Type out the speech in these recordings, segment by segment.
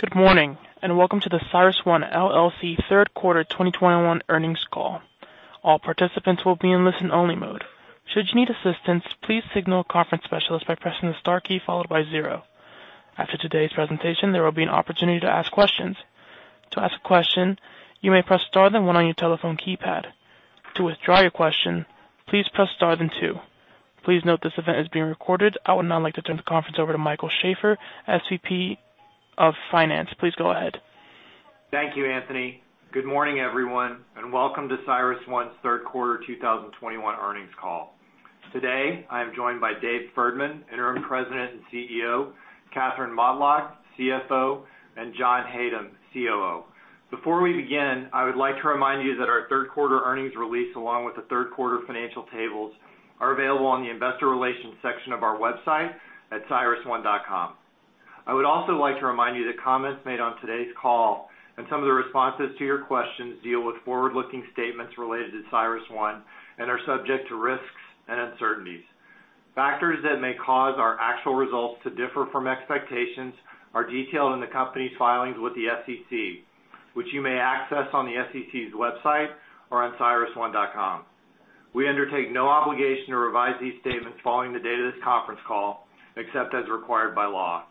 Good morning, and welcome to the CyrusOne LLC third quarter 2021 earnings call. All participants will be in listen-only mode. Should you need assistance, please signal a conference specialist by pressing the star key followed by zero. After today's presentation, there will be an opportunity to ask questions. To ask a question, you may press star then one on your telephone keypad. To withdraw your question, please press star then two. Please note this event is being recorded. I would now like to turn the conference over to Michael Schafer, SVP of Finance. Please go ahead. Thank you, Anthony. Good morning, everyone, and welcome to CyrusOne's third quarter 2021 earnings call. Today, I am joined by Dave Ferdman, Interim President and CEO, Katherine Motlagh, CFO, and Jonathan Hatem, COO. Before we begin, I would like to remind you that our third quarter earnings release, along with the third quarter financial tables, are available on the investor relations section of our website at cyrusone.com. I would also like to remind you that comments made on today's call and some of the responses to your questions deal with forward-looking statements related to CyrusOne and are subject to risks and uncertainties. Factors that may cause our actual results to differ from expectations are detailed in the company's filings with the SEC, which you may access on the SEC's website or on cyrusone.com. We undertake no obligation to revise these statements following the date of this conference call, except as required by law.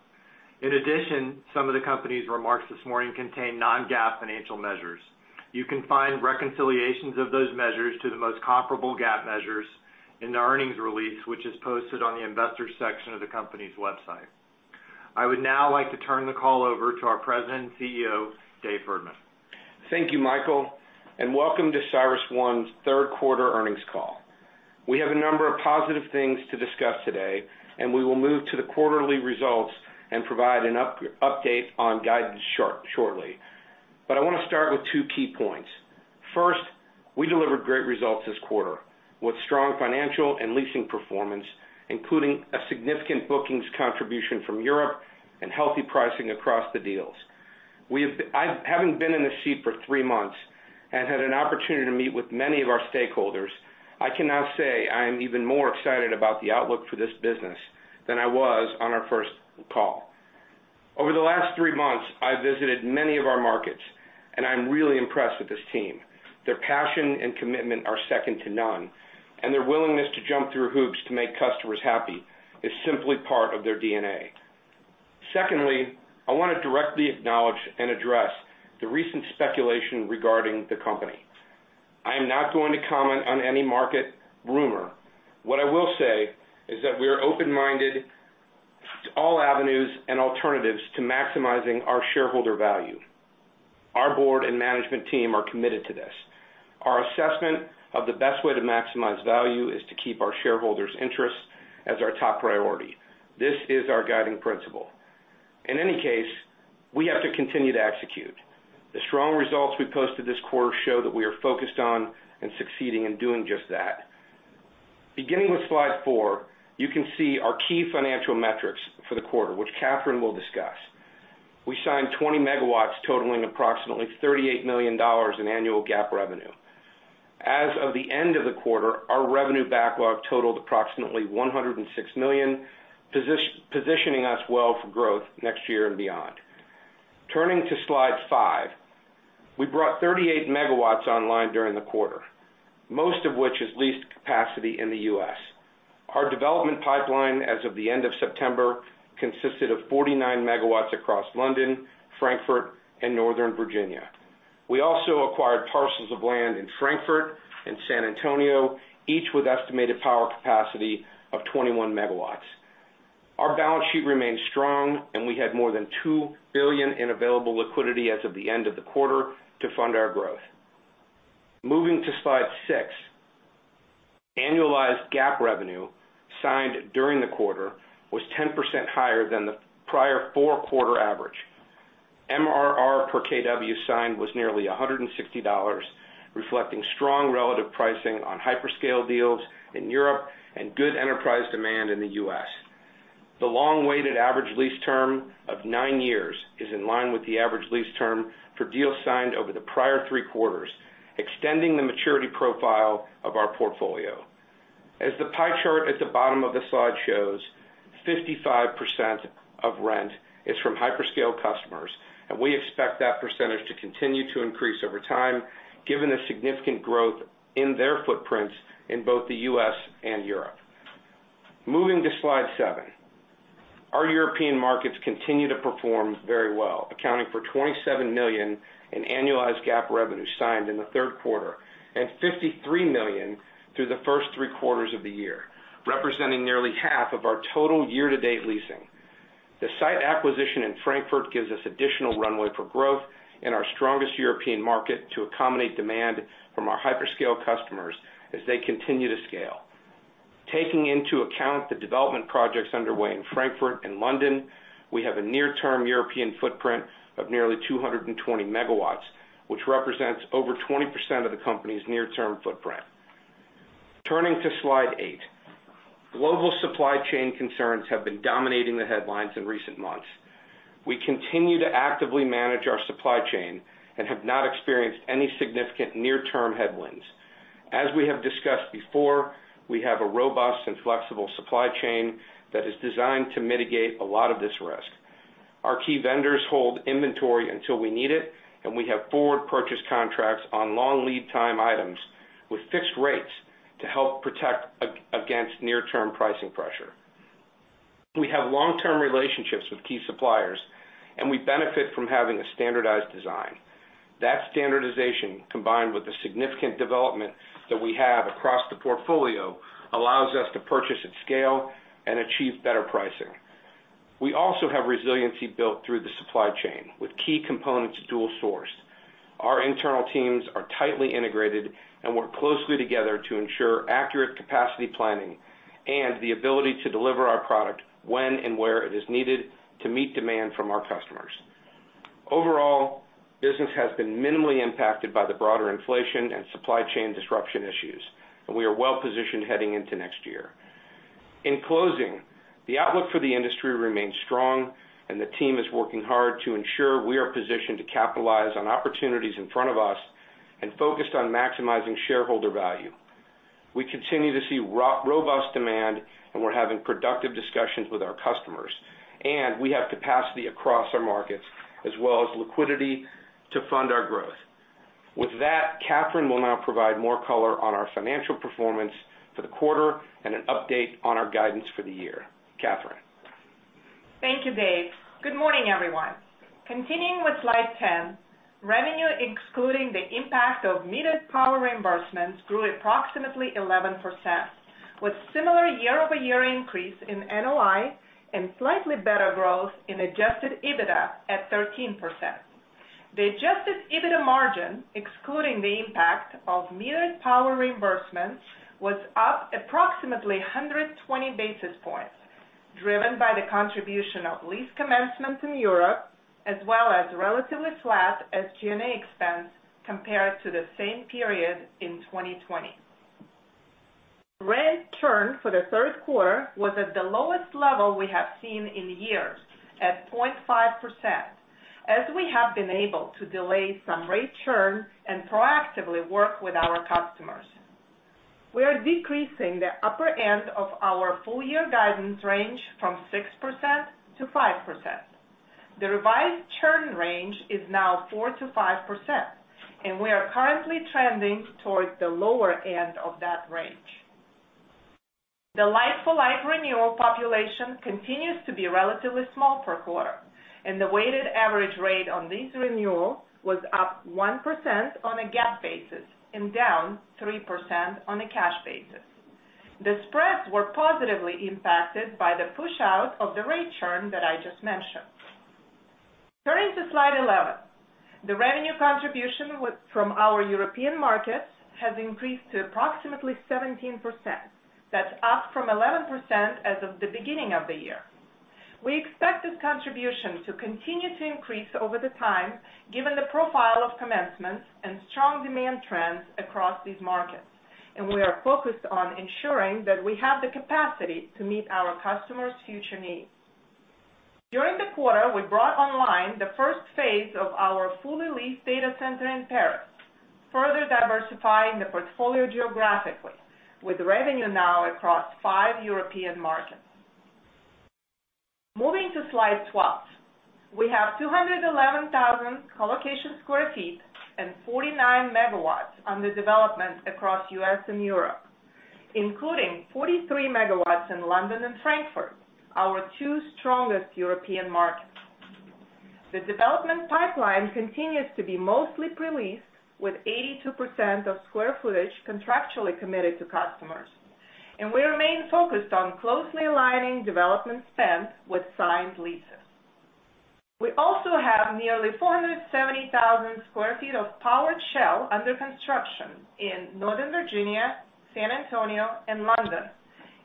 In addition, some of the company's remarks this morning contain non-GAAP financial measures. You can find reconciliations of those measures to the most comparable GAAP measures in the earnings release, which is posted on the investors section of the company's website. I would now like to turn the call over to our President and CEO, Dave Ferdman. Thank you, Michael, and welcome to CyrusOne's third quarter earnings call. We have a number of positive things to discuss today, and we will move to the quarterly results and provide an update on guidance shortly. I wanna start with two key points. First, we delivered great results this quarter with strong financial and leasing performance, including a significant bookings contribution from Europe and healthy pricing across the deals. I haven't been in this seat for three months and had an opportunity to meet with many of our stakeholders. I can now say I am even more excited about the outlook for this business than I was on our first call. Over the last three months, I visited many of our markets, and I'm really impressed with this team. Their passion and commitment are second to none, and their willingness to jump through hoops to make customers happy is simply part of their DNA. Secondly, I want to directly acknowledge and address the recent speculation regarding the company. I am not going to comment on any market rumor. What I will say is that we are open-minded to all avenues and alternatives to maximizing our shareholder value. Our board and management team are committed to this. Our assessment of the best way to maximize value is to keep our shareholders' interests as our top priority. This is our guiding principle. In any case, we have to continue to execute. The strong results we posted this quarter show that we are focused on and succeeding in doing just that. Beginning with slide four, you can see our key financial metrics for the quarter, which Katherine will discuss. We signed 20 MW totaling approximately $38 million in annual GAAP revenue. As of the end of the quarter, our revenue backlog totaled approximately $106 million, positioning us well for growth next year and beyond. Turning to slide 5. We brought 38 MW online during the quarter, most of which is leased capacity in the U.S. Our development pipeline as of the end of September consisted of 49 MW across London, Frankfurt, and Northern Virginia. We also acquired parcels of land in Frankfurt and San Antonio, each with estimated power capacity of 21 MW. Our balance sheet remains strong, and we had more than $2 billion in available liquidity as of the end of the quarter to fund our growth. Moving to slide 6. Annualized GAAP revenue signed during the quarter was 10% higher than the prior four-quarter average. MRR per kW signed was nearly $160, reflecting strong relative pricing on hyperscale deals in Europe and good enterprise demand in the U.S. The length-weighted average lease term of nine years is in line with the average lease term for deals signed over the prior three quarters, extending the maturity profile of our portfolio. As the pie chart at the bottom of the slide shows, 55% of rent is from hyperscale customers, and we expect that percentage to continue to increase over time, given the significant growth in their footprints in both the U.S. and Europe. Moving to slide 7. Our European markets continue to perform very well, accounting for $27 million in annualized GAAP revenue signed in the third quarter and $53 million through the first three quarters of the year, representing nearly half of our total year-to-date leasing. The site acquisition in Frankfurt gives us additional runway for growth in our strongest European market to accommodate demand from our hyperscale customers as they continue to scale. Taking into account the development projects underway in Frankfurt and London, we have a near-term European footprint of nearly 220 MW, which represents over 20% of the company's near-term footprint. Turning to slide 8. Global supply chain concerns have been dominating the headlines in recent months. We continue to actively manage our supply chain and have not experienced any significant near-term headwinds. As we have discussed before, we have a robust and flexible supply chain that is designed to mitigate a lot of this risk. Our key vendors hold inventory until we need it, and we have forward purchase contracts on long lead time items with fixed rates to help protect against near-term pricing pressure. We have long-term relationships with key suppliers, and we benefit from having a standardized design. That standardization, combined with the significant development that we have across the portfolio, allows us to purchase at scale and achieve better pricing. We also have resiliency built through the supply chain with key components dual sourced. Our internal teams are tightly integrated and work closely together to ensure accurate capacity planning and the ability to deliver our product when and where it is needed to meet demand from our customers. Overall, business has been minimally impacted by the broader inflation and supply chain disruption issues, and we are well-positioned heading into next year. In closing, the outlook for the industry remains strong and the team is working hard to ensure we are positioned to capitalize on opportunities in front of us and focused on maximizing shareholder value. We continue to see robust demand, and we're having productive discussions with our customers, and we have capacity across our markets as well as liquidity to fund our growth. With that, Katherine will now provide more color on our financial performance for the quarter and an update on our guidance for the year. Katherine. Thank you, Dave. Good morning, everyone. Continuing with slide 10, revenue excluding the impact of metered power reimbursements grew approximately 11%, with similar year-over-year increase in NOI and slightly better growth in adjusted EBITDA at 13%. The adjusted EBITDA margin, excluding the impact of metered power reimbursements, was up approximately 120 basis points, driven by the contribution of lease commencement in Europe as well as relatively flat SG&A expense compared to the same period in 2020. Rent churn for the third quarter was at the lowest level we have seen in years, at 0.5%, as we have been able to delay some rate churn and proactively work with our customers. We are decreasing the upper end of our full year guidance range from 6% to 5%. The revised churn range is now 4%-5%, and we are currently trending towards the lower end of that range. The like-for-like renewal population continues to be relatively small per quarter, and the weighted average rate on these renewals was up 1% on a GAAP basis and down 3% on a cash basis. The spreads were positively impacted by the push out of the rate churn that I just mentioned. Turning to slide 11. The revenue contribution from our European markets has increased to approximately 17%. That's up from 11% as of the beginning of the year. We expect this contribution to continue to increase over time given the profile of commencements and strong demand trends across these markets, and we are focused on ensuring that we have the capacity to meet our customers' future needs. During the quarter, we brought online the first phase of our fully leased data center in Paris, further diversifying the portfolio geographically, with revenue now across five European markets. Moving to slide 12. We have 211,000 colocation sq ft and 49 MW under development across U.S. and Europe, including 43 MW in London and Frankfurt, our two strongest European markets. The development pipeline continues to be mostly pre-leased, with 82% of square footage contractually committed to customers, and we remain focused on closely aligning development spends with signed leases. We also have nearly 470,000 sq ft of powered shell under construction in Northern Virginia, San Antonio, and London,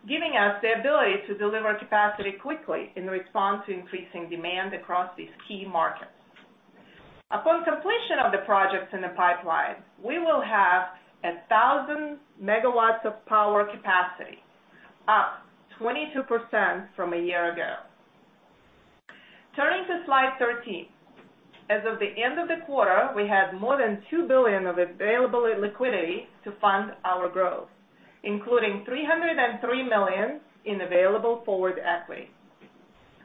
giving us the ability to deliver capacity quickly in response to increasing demand across these key markets. Upon completion of the projects in the pipeline, we will have 1,000 MW of power capacity, up 22% from a year ago. Turning to slide 13. As of the end of the quarter, we have more than $2 billion of available liquidity to fund our growth, including $303 million in available forward equity.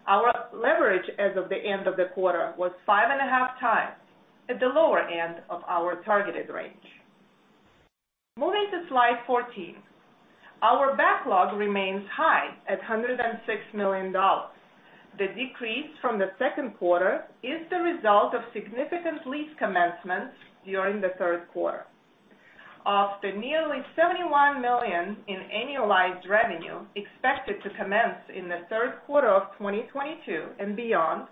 Our leverage as of the end of the quarter was 5.5 times, at the lower end of our targeted range. Moving to slide 14. Our backlog remains high at $106 million. The decrease from the second quarter is the result of significant lease commencements during the third quarter. Of the nearly $71 million in annualized revenue expected to commence in the third quarter of 2022 and beyond,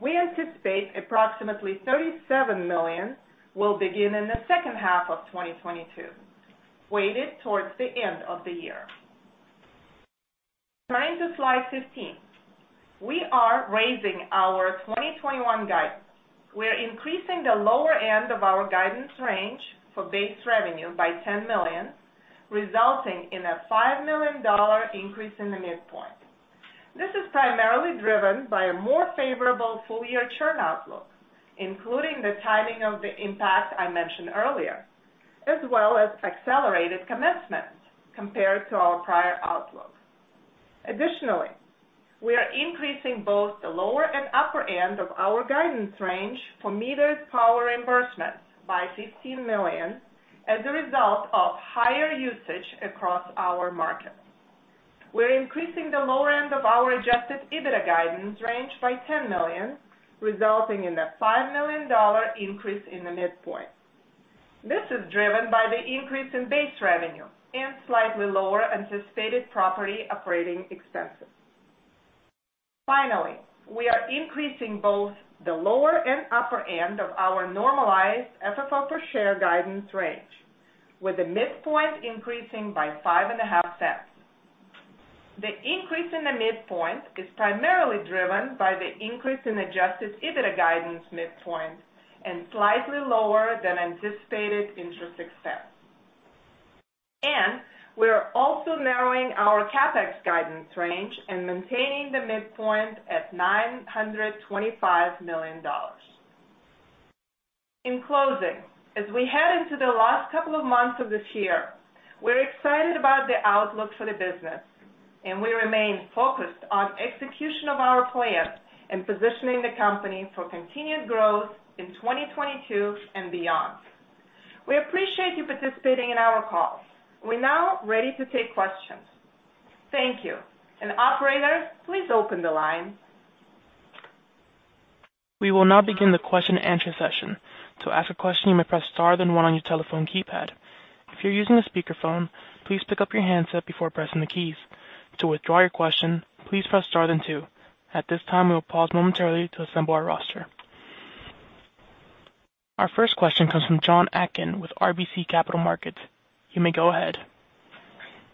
we anticipate approximately $37 million will begin in the second half of 2022, weighted towards the end of the year. Turning to slide 15. We are raising our 2021 guidance. We're increasing the lower end of our guidance range for base revenue by $10 million, resulting in a $5 million increase in the midpoint. This is primarily driven by a more favorable full-year churn outlook, including the timing of the impact I mentioned earlier, as well as accelerated commencements compared to our prior outlook. Additionally, we are increasing both the lower and upper end of our guidance range for metered power reimbursements by $15 million as a result of higher usage across our markets. We're increasing the lower end of our adjusted EBITDA guidance range by $10 million, resulting in a $5 million increase in the midpoint. This is driven by the increase in base revenue and slightly lower anticipated property operating expenses. Finally, we are increasing both the lower and upper end of our normalized FFO per share guidance range, with the midpoint increasing by $0.055. The increase in the midpoint is primarily driven by the increase in adjusted EBITDA guidance midpoint and slightly lower than anticipated interest expense. We are also narrowing our CapEx guidance range and maintaining the midpoint at $925 million. In closing, as we head into the last couple of months of this year, we're excited about the outlook for the business, and we remain focused on execution of our plans and positioning the company for continued growth in 2022 and beyond. We appreciate you participating in our call. We're now ready to take questions. Thank you, and operator, please open the line. We will now begin the question and answer session. To ask a question, you may press star then one on your telephone keypad. If you're using a speakerphone, please pick up your handset before pressing the keys. To withdraw your question, please press star then two. At this time, we will pause momentarily to assemble our roster. Our first question comes from Jon Atkin with RBC Capital Markets. You may go ahead.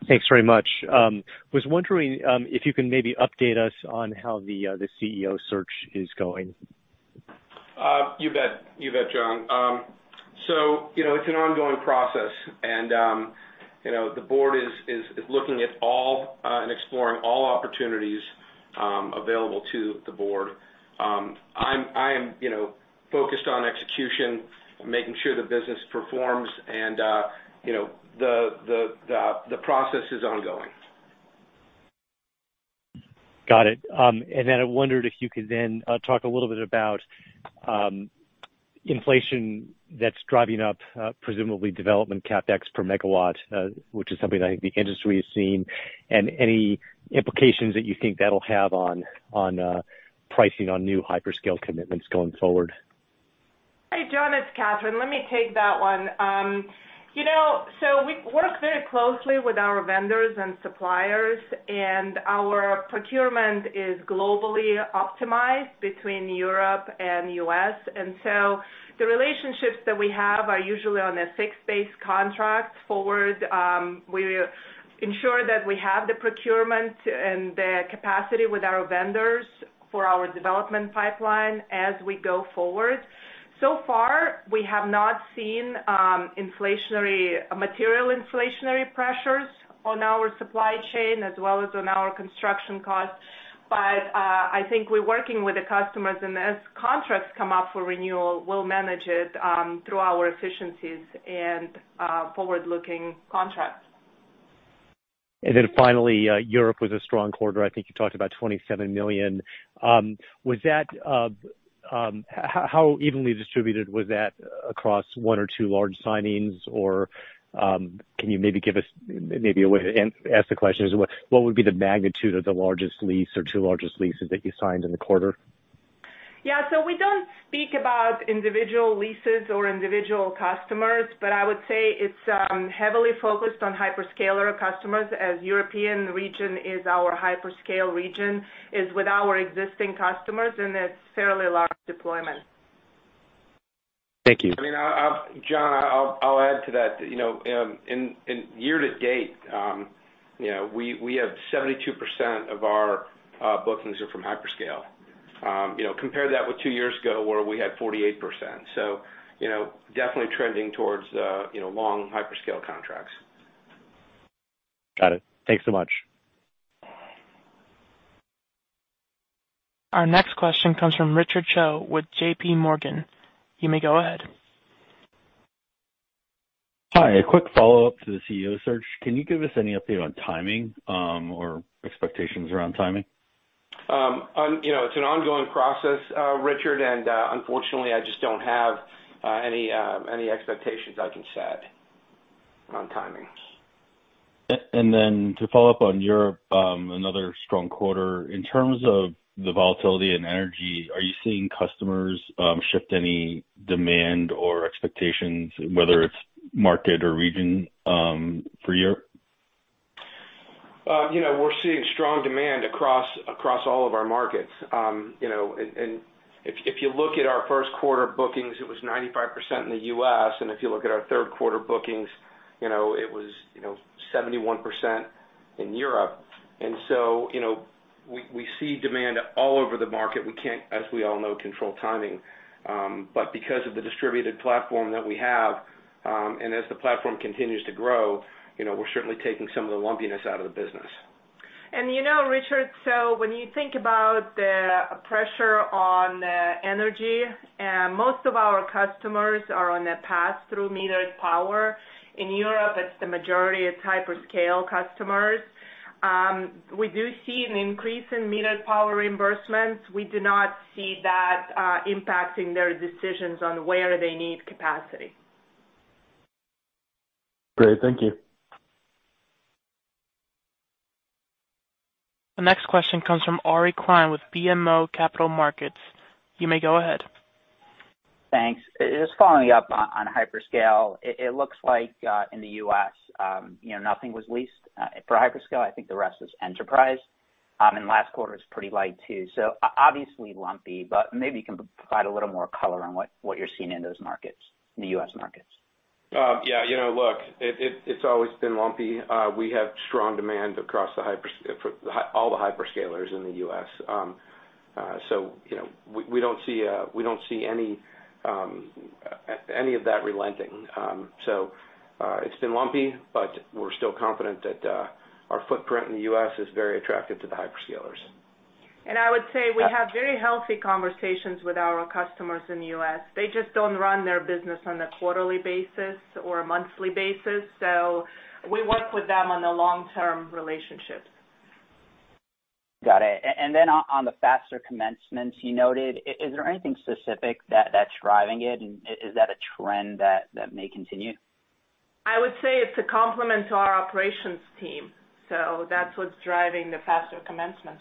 Thanks very much. I was wondering if you can maybe update us on how the CEO search is going. You bet. You bet, Jon. You know, it's an ongoing process and, you know, the board is looking at all and exploring all opportunities available to the board. I am, you know, focused on execution, making sure the business performs and, you know, the process is ongoing. Got it. I wondered if you could then talk a little bit about inflation that's driving up, presumably development CapEx per megawatt, which is something I think the industry is seeing, and any implications that you think that'll have on pricing on new hyperscale commitments going forward. Hey, Jon, it's Katherine. Let me take that one. You know, we work very closely with our vendors and suppliers, and our procurement is globally optimized between Europe and U.S. The relationships that we have are usually on a fixed-base contract forward. We ensure that we have the procurement and the capacity with our vendors for our development pipeline as we go forward. So far, we have not seen material inflationary pressures on our supply chain as well as on our construction costs. I think we're working with the customers, and as contracts come up for renewal, we'll manage it through our efficiencies and forward-looking contracts. Finally, Europe was a strong quarter. I think you talked about $27 million. How evenly distributed was that across one or two large signings? Or, can you maybe give us a way to ask the question? What would be the magnitude of the largest lease or two largest leases that you signed in the quarter? We don't speak about individual leases or individual customers, but I would say it's heavily focused on hyperscaler customers as European region is our hyperscale region, is with our existing customers, and it's fairly large deployment. Thank you. I mean, Jon, I'll add to that. You know, in year to date, you know, we have 72% of our bookings are from hyperscale. You know, compare that with two years ago where we had 48%. You know, definitely trending towards long hyperscale contracts. Got it. Thanks so much. Our next question comes from Richard Choe with J.P. Morgan. You may go ahead. Hi. A quick follow-up to the CEO search. Can you give us any update on timing, or expectations around timing? You know, it's an ongoing process, Richard, and unfortunately I just don't have any expectations I can set on timing. To follow up on Europe, another strong quarter. In terms of the volatility in energy, are you seeing customers shift any demand or expectations, whether it's market or region, for Europe? You know, we're seeing strong demand across all of our markets. You know, and if you look at our first quarter bookings, it was 95% in the U.S., and if you look at our third quarter bookings, you know, it was 71% in Europe. You know, we see demand all over the market. We can't, as we all know, control timing. But because of the distributed platform that we have, and as the platform continues to grow, you know, we're certainly taking some of the lumpiness out of the business. You know, Richard, so when you think about the pressure on the energy, and most of our customers are on a path through metered power. In Europe, it's the majority of hyperscale customers. We do see an increase in metered power reimbursements. We do not see that impacting their decisions on where they need capacity. Great. Thank you. The next question comes from Ari Klein with BMO Capital Markets. You may go ahead. Thanks. Just following up on hyperscale. It looks like in the U.S., you know, nothing was leased for hyperscale. I think the rest was enterprise. Last quarter was pretty light too, so obviously lumpy, but maybe you can provide a little more color on what you're seeing in those markets, in the U.S. markets. Yeah, you know, look, it's always been lumpy. We have strong demand for all the hyperscalers in the U.S. You know, we don't see any of that relenting. It's been lumpy, but we're still confident that our footprint in the U.S. is very attractive to the hyperscalers. I would say we have very healthy conversations with our customers in the U.S. They just don't run their business on a quarterly basis or a monthly basis, so we work with them on the long-term relationships. Got it. On the faster commencements you noted, is there anything specific that's driving it? Is that a trend that may continue? I would say it's a compliment to our operations team, so that's what's driving the faster commencement.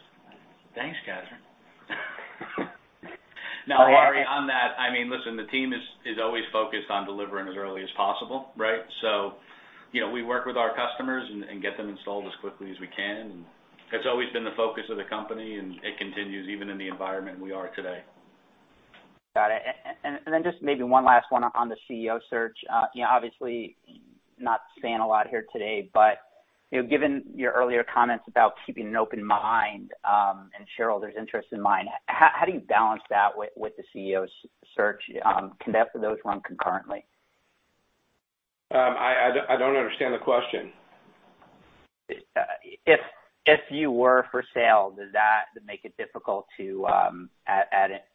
Thanks, Katherine. No, Ari, on that, I mean, listen, the team is always focused on delivering as early as possible, right? You know, we work with our customers and get them installed as quickly as we can. It's always been the focus of the company, and it continues even in the environment we are today. Got it. Then just maybe one last one on the CEO search. You know, obviously not saying a lot here today, but you know, given your earlier comments about keeping an open mind and shareholders' interest in mind, how do you balance that with the CEO's search? Can those run concurrently? I don't understand the question. If you were for sale, does that make it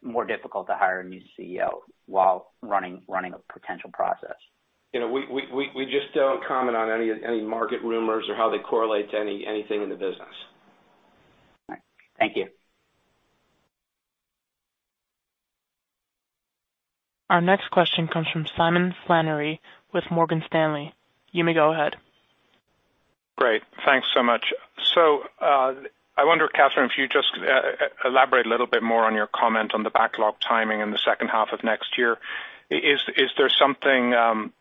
more difficult to hire a new CEO while running a potential process? We just don't comment on any market rumors or how they correlate to anything in the business. Thank you. Our next question comes from Simon Flannery with Morgan Stanley. You may go ahead. Great. Thanks so much. I wonder, Katherine, if you just elaborate a little bit more on your comment on the backlog timing in the second half of next year. Is there something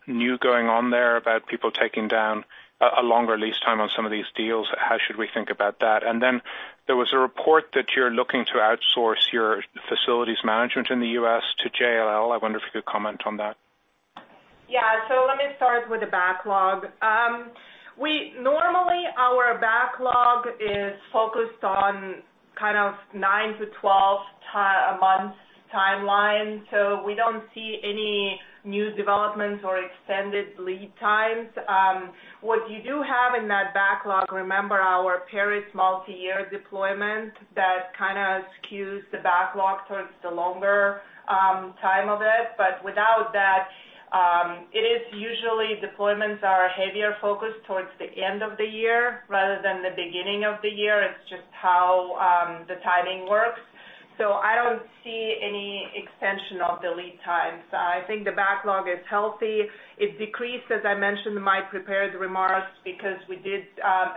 new going on there about people taking down a longer lease time on some of these deals? How should we think about that? And then there was a report that you're looking to outsource your facilities management in the U.S. to JLL. I wonder if you could comment on that? Yeah. Let me start with the backlog. Normally our backlog is focused on kind of 9-12 months timeline. We don't see any new developments or extended lead times. What you do have in that backlog, remember our Paris multi-year deployment that kind of skews the backlog towards the longer time of it. Without that, it is usually deployments are heavier focused towards the end of the year rather than the beginning of the year. It's just how the timing works. I don't see any extension of the lead times. I think the backlog is healthy. It decreased, as I mentioned in my prepared remarks, because we did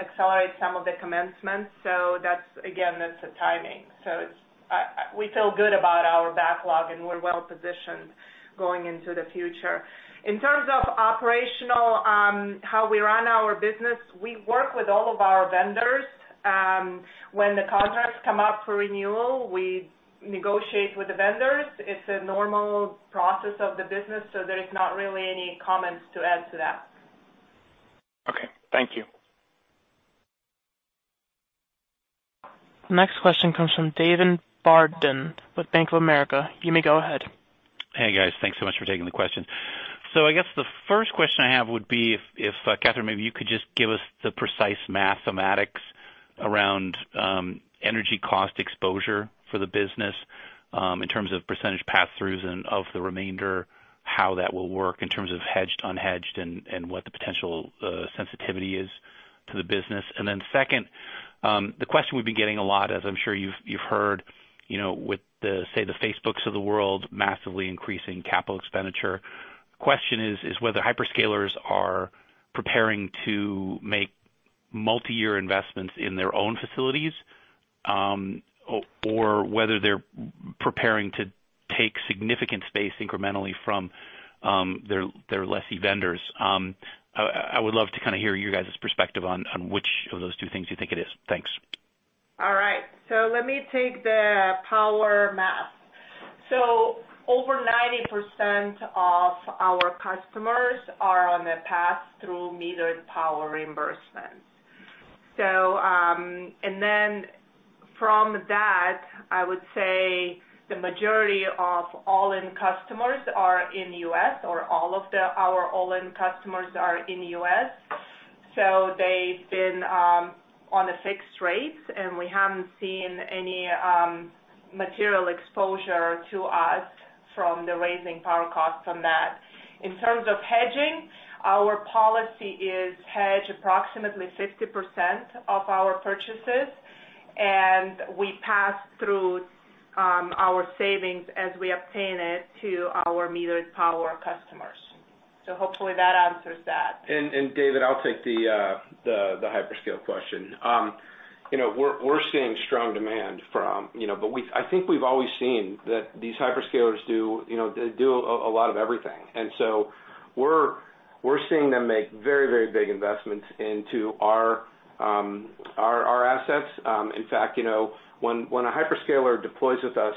accelerate some of the commencement. That's, again, the timing. We feel good about our backlog, and we're well positioned going into the future. In terms of operational, how we run our business, we work with all of our vendors. When the contracts come up for renewal, we negotiate with the vendors. It's a normal process of the business, so there is not really any comments to add to that. Okay. Thank you. Next question comes from David Barden with Bank of America. You may go ahead. Hey, guys. Thanks so much for taking the question. I guess the first question I have would be if Katherine, maybe you could just give us the precise mathematics around energy cost exposure for the business in terms of percentage pass-throughs and of the remainder, how that will work in terms of hedged, unhedged, and what the potential sensitivity is to the business. Second, the question we've been getting a lot, as I'm sure you've heard, you know, with the, say, the Facebooks of the world massively increasing capital expenditure. Question is whether hyperscalers are preparing to make multi-year investments in their own facilities or whether they're preparing to take significant space incrementally from their lessor vendors. I would love to kind of hear you guys' perspective on which of those two things you think it is. Thanks. All right, let me take the power question. Over 90% of our customers are on a pass-through metered power reimbursements. From that, I would say the majority of our all-in customers are in U.S. They've been on a fixed rate, and we haven't seen any material exposure to us from the rising power costs from that. In terms of hedging, our policy is to hedge approximately 50% of our purchases, and we pass through our savings as we obtain it to our metered power customers. Hopefully that answers that. David, I'll take the hyperscale question. You know, we're seeing strong demand from you know, I think we've always seen that these hyperscalers do you know, they do a lot of everything. We're seeing them make very big investments into our assets. In fact, you know, when a hyperscaler deploys with us,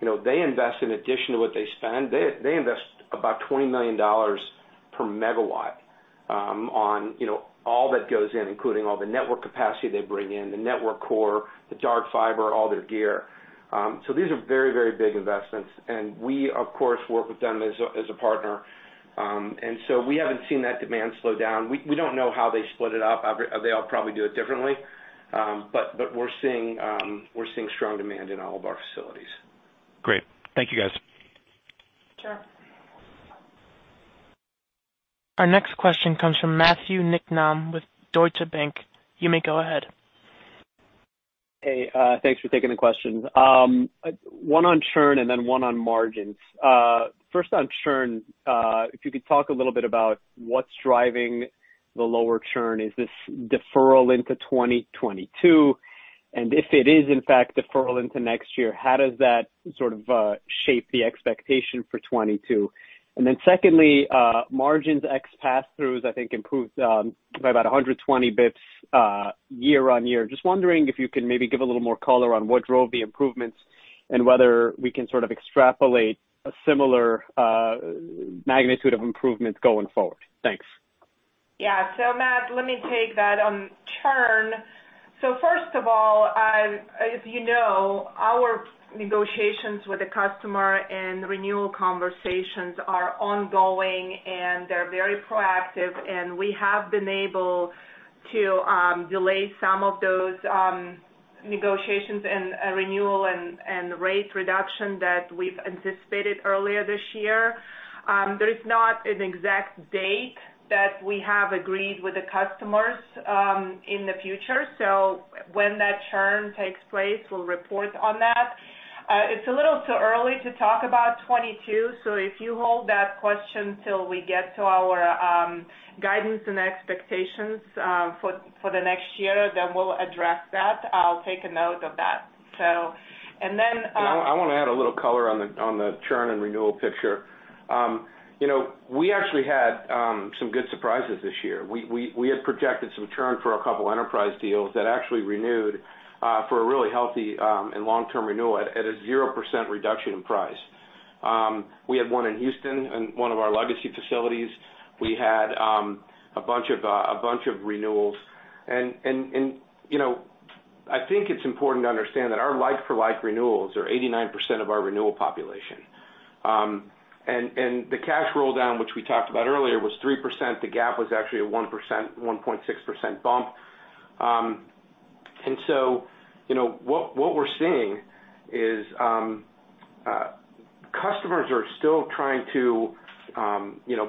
you know, they invest in addition to what they spend. They invest about $20 million per megawatt on you know, all that goes in, including all the network capacity they bring in, the network core, the dark fiber, all their gear. So these are very big investments. We, of course, work with them as a partner. We haven't seen that demand slow down. We don't know how they split it up. They all probably do it differently. But we're seeing strong demand in all of our facilities. Great. Thank you, guys. Sure. Our next question comes from Matthew Niknam with Deutsche Bank. You may go ahead. Hey, thanks for taking the question. One on churn and then one on margins. First on churn, if you could talk a little bit about what's driving the lower churn, is this deferral into 2022? And if it is, in fact, deferral into next year, how does that sort of shape the expectation for 2022? And then secondly, margins ex pass-throughs, I think improved by about 120 bps year-over-year. Just wondering if you can maybe give a little more color on what drove the improvements and whether we can sort of extrapolate a similar magnitude of improvements going forward. Thanks. Yeah. Matt, let me take that. On churn, first of all, as you know, our negotiations with the customer and renewal conversations are ongoing, and they're very proactive. We have been able to delay some of those negotiations and renewal and rate reduction that we've anticipated earlier this year. There is not an exact date that we have agreed with the customers in the future. When that churn takes place, we'll report on that. It's a little too early to talk about 2022. If you hold that question till we get to our guidance and expectations for the next year, then we'll address that. I'll take a note of that. I want to add a little color on the churn and renewal picture. You know, we actually had some good surprises this year. We had projected some churn for a couple enterprise deals that actually renewed for a really healthy and long-term renewal at a 0% reduction in price. We had one in Houston in one of our legacy facilities. We had a bunch of renewals. You know, I think it's important to understand that our like-for-like renewals are 89% of our renewal population. The cash roll down, which we talked about earlier, was 3%. The gap was actually a 1.6% bump. You know, what we're seeing is customers are still trying to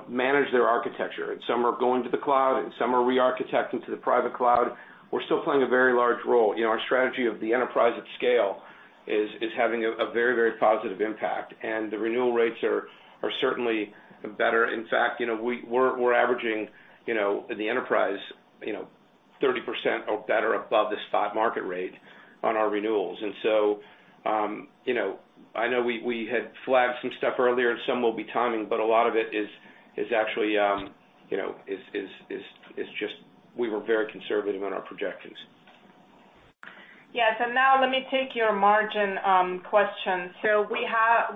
manage their architecture, and some are going to the cloud, and some are re-architecting to the private cloud. We're still playing a very large role. You know, our strategy of the enterprise at scale is having a very positive impact, and the renewal rates are certainly better. In fact, you know, we're averaging, you know, in the enterprise, 30% or better above the spot market rate on our renewals. You know, I know we had flagged some stuff earlier and some will be timing, but a lot of it is actually just we were very conservative on our projections. Yes. Now let me take your margin question. We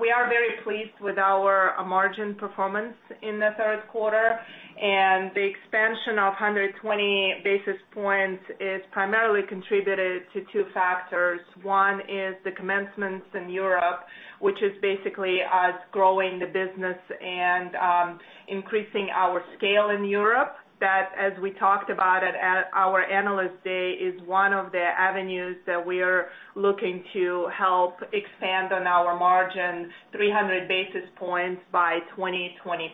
are very pleased with our margin performance in the third quarter, and the expansion of 120 basis points is primarily contributed to two factors. One is the commencements in Europe, which is basically us growing the business and increasing our scale in Europe. That, as we talked about at our Analyst Day, is one of the avenues that we are looking to help expand on our margin 300 basis points by 2025.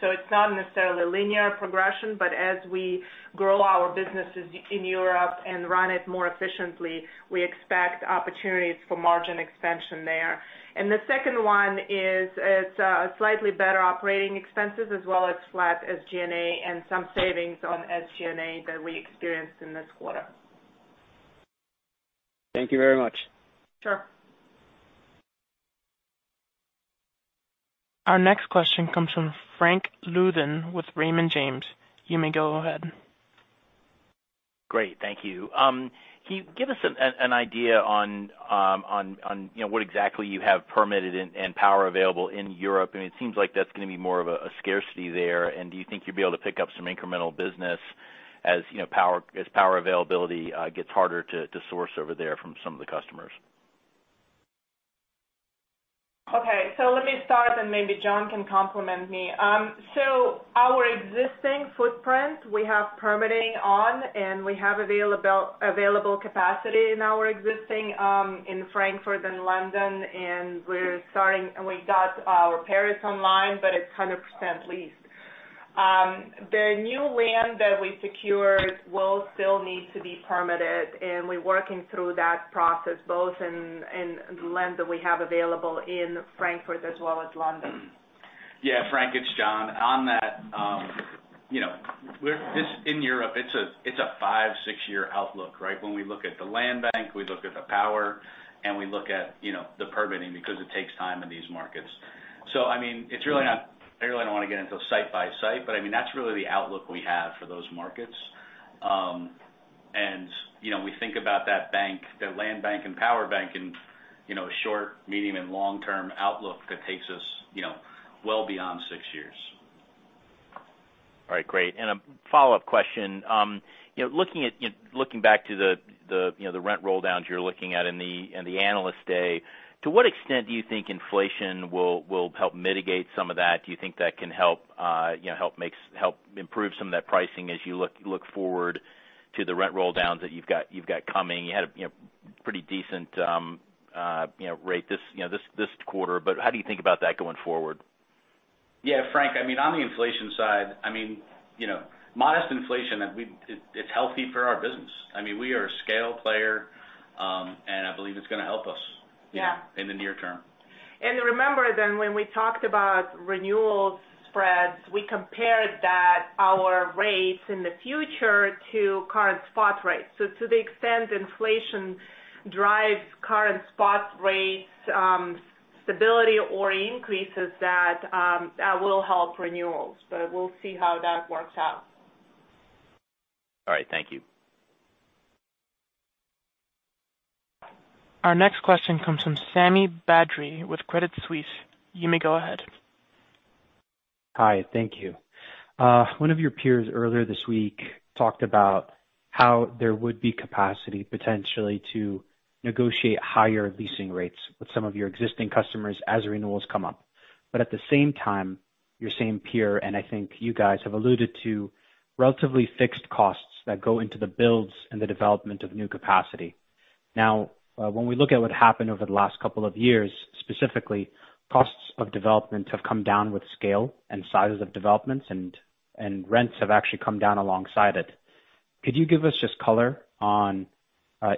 It's not necessarily a linear progression, but as we grow our businesses in Europe and run it more efficiently, we expect opportunities for margin expansion there. The second one is it's a slightly better operating expenses as well as flat SG&A and some savings on SG&A that we experienced in this quarter. Thank you very much. Sure. Our next question comes from Frank Louthan with Raymond James. You may go ahead. Great. Thank you. Can you give us an idea on, you know, what exactly you have permitted and power available in Europe? I mean, it seems like that's gonna be more of a scarcity there. Do you think you'll be able to pick up some incremental business as, you know, power availability gets harder to source over there from some of the customers? Okay, let me start, and maybe Jon can complement me. Our existing footprint, we have permitting on, and we have available capacity in our existing in Frankfurt and London, and we got our Paris online, but it's 100% leased. The new land that we secured will still need to be permitted, and we're working through that process both in the land that we have available in Frankfurt as well as London. Yeah. Frank, it's Jon On that, you know, in Europe, it's a 5-6-year outlook, right? When we look at the land bank, we look at the power, and we look at, you know, the permitting because it takes time in these markets. I mean, I really don't want to get into site by site, but I mean, that's really the outlook we have for those markets. You know, we think about that bank, the land bank and power bank and short, medium, and long-term outlook that takes us, you know, well beyond 6 years. All right. Great. A follow-up question. Looking back to the rent roll downs you're looking at in the Analyst Day, to what extent do you think inflation will help mitigate some of that? Do you think that can help, you know, help improve some of that pricing as you look forward to the rent roll downs that you've got coming? You had a pretty decent rate this quarter, but how do you think about that going forward? Yeah, Frank, I mean, on the inflation side, I mean, you know, modest inflation, I mean, it's healthy for our business. I mean, we are a scale player, and I believe it's gonna help us. Yeah. you know, in the near term. Remember then when we talked about renewal spreads, we compared our rates in the future to current spot rates. To the extent inflation drives current spot rates, stability or increases that will help renewals. We'll see how that works out. All right. Thank you. Our next question comes from Sami Badri with Credit Suisse. You may go ahead. Hi. Thank you. One of your peers earlier this week talked about how there would be capacity potentially to negotiate higher leasing rates with some of your existing customers as renewals come up. At the same time, your same peer, and I think you guys have alluded to relatively fixed costs that go into the builds and the development of new capacity. Now, when we look at what happened over the last couple of years, specifically, costs of development have come down with scale and sizes of developments and rents have actually come down alongside it. Could you give us just color on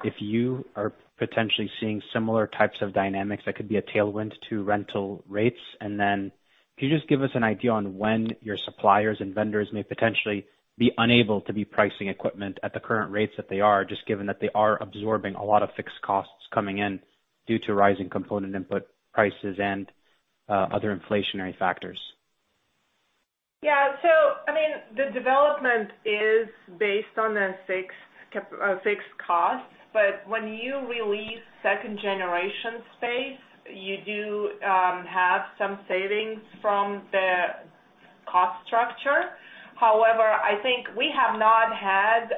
if you are potentially seeing similar types of dynamics that could be a tailwind to rental rates? Could you just give us an idea on when your suppliers and vendors may potentially be unable to be pricing equipment at the current rates that they are, just given that they are absorbing a lot of fixed costs coming in due to rising component input prices and other inflationary factors? Yeah. I mean, the development is based on fixed costs. When you release second generation space, you do have some savings from the cost structure. However, I think we have not had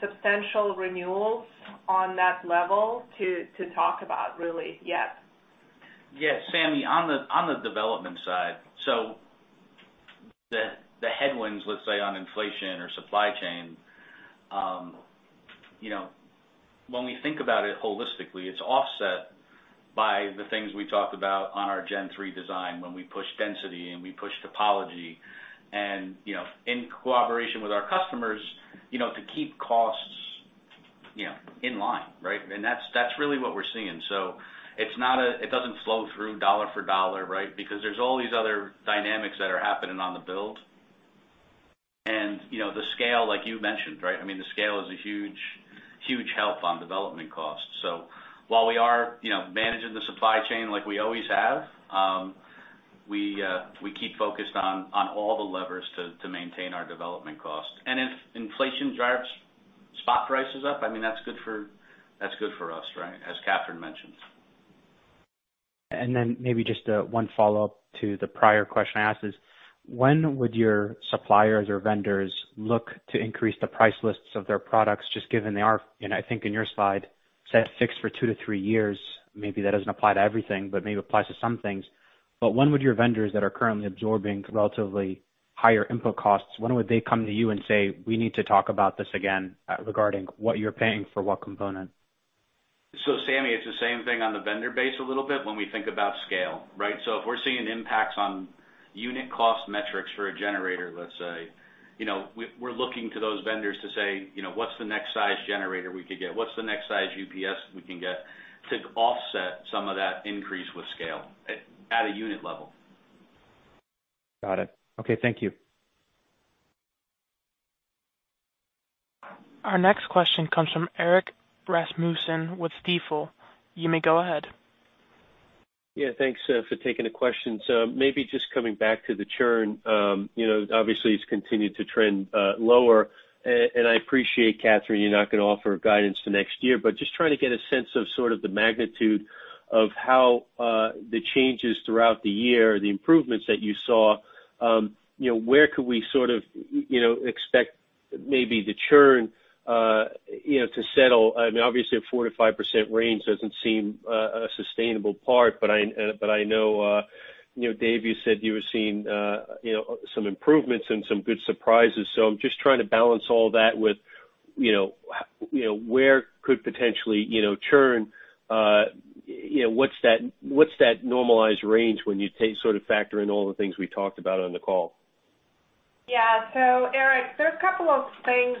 substantial renewals on that level to talk about really yet. Yes, Sami, on the development side, the headwinds, let's say, on inflation or supply chain, you know, when we think about it holistically, it's offset by the things we talked about on our Gen Three design when we push density and we push topology and, you know, in cooperation with our customers, you know, to keep costs, you know, in line, right? That's really what we're seeing. It doesn't flow through dollar for dollar, right? Because there's all these other dynamics that are happening on the build. You know, the scale, like you mentioned, right? I mean, the scale is a huge help on development costs. While we are, you know, managing the supply chain like we always have, we keep focused on all the levers to maintain our development costs. If inflation drives spot prices up, I mean, that's good for us, right? As Katherine mentioned. One follow-up to the prior question I asked is, when would your suppliers or vendors look to increase the price lists of their products just given they are, and I think in your slide, set fixed for 2-3 years, maybe that doesn't apply to everything, but maybe applies to some things. When would your vendors that are currently absorbing relatively higher input costs come to you and say, "We need to talk about this again, regarding what you're paying for what component? Sami, it's the same thing on the vendor base a little bit when we think about scale, right? If we're seeing impacts on unit cost metrics for a generator, let's say, you know, we're looking to those vendors to say, you know, "What's the next size generator we could get? What's the next size UPS we can get?" To offset some of that increase with scale at a unit level. Got it. Okay, thank you. Our next question comes from Erik Rasmussen with Stifel. You may go ahead. Yeah, thanks for taking the questions. Maybe just coming back to the churn, you know, obviously it's continued to trend lower. I appreciate, Katherine, you're not gonna offer guidance for next year, but just trying to get a sense of sort of the magnitude of how the changes throughout the year, the improvements that you saw, you know, where could we sort of, you know, expect maybe the churn, you know, to settle? I mean, obviously a 4%-5% range doesn't seem a sustainable part, but I know, you know, Dave, you said you were seeing, you know, some improvements and some good surprises. I'm just trying to balance all that with, you know, where could potentially, you know, churn, you know, what's that normalized range when you take sort of factor in all the things we talked about on the call? Yeah. Eric, there's a couple of things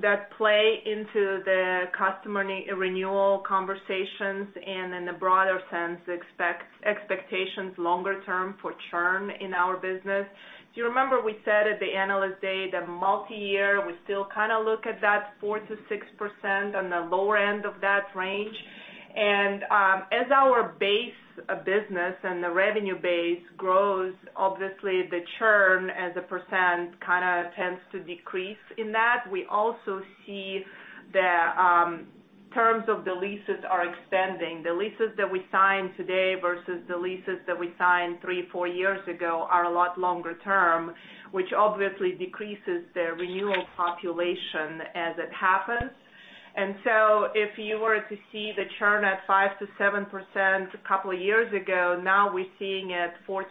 that play into the customer renewal conversations and in the broader sense, expectations longer term for churn in our business. You remember we said at the Analyst Day that multi-year, we still kinda look at that 4%-6% on the lower end of that range. As our base of business and the revenue base grows, obviously the churn as a percent kinda tends to decrease in that. We also see the terms of the leases are extending. The leases that we sign today versus the leases that we signed 3-4 years ago are a lot longer term, which obviously decreases their renewal population as it happens. If you were to see the churn at 5%-7% a couple of years ago, now we're seeing it 4%-6%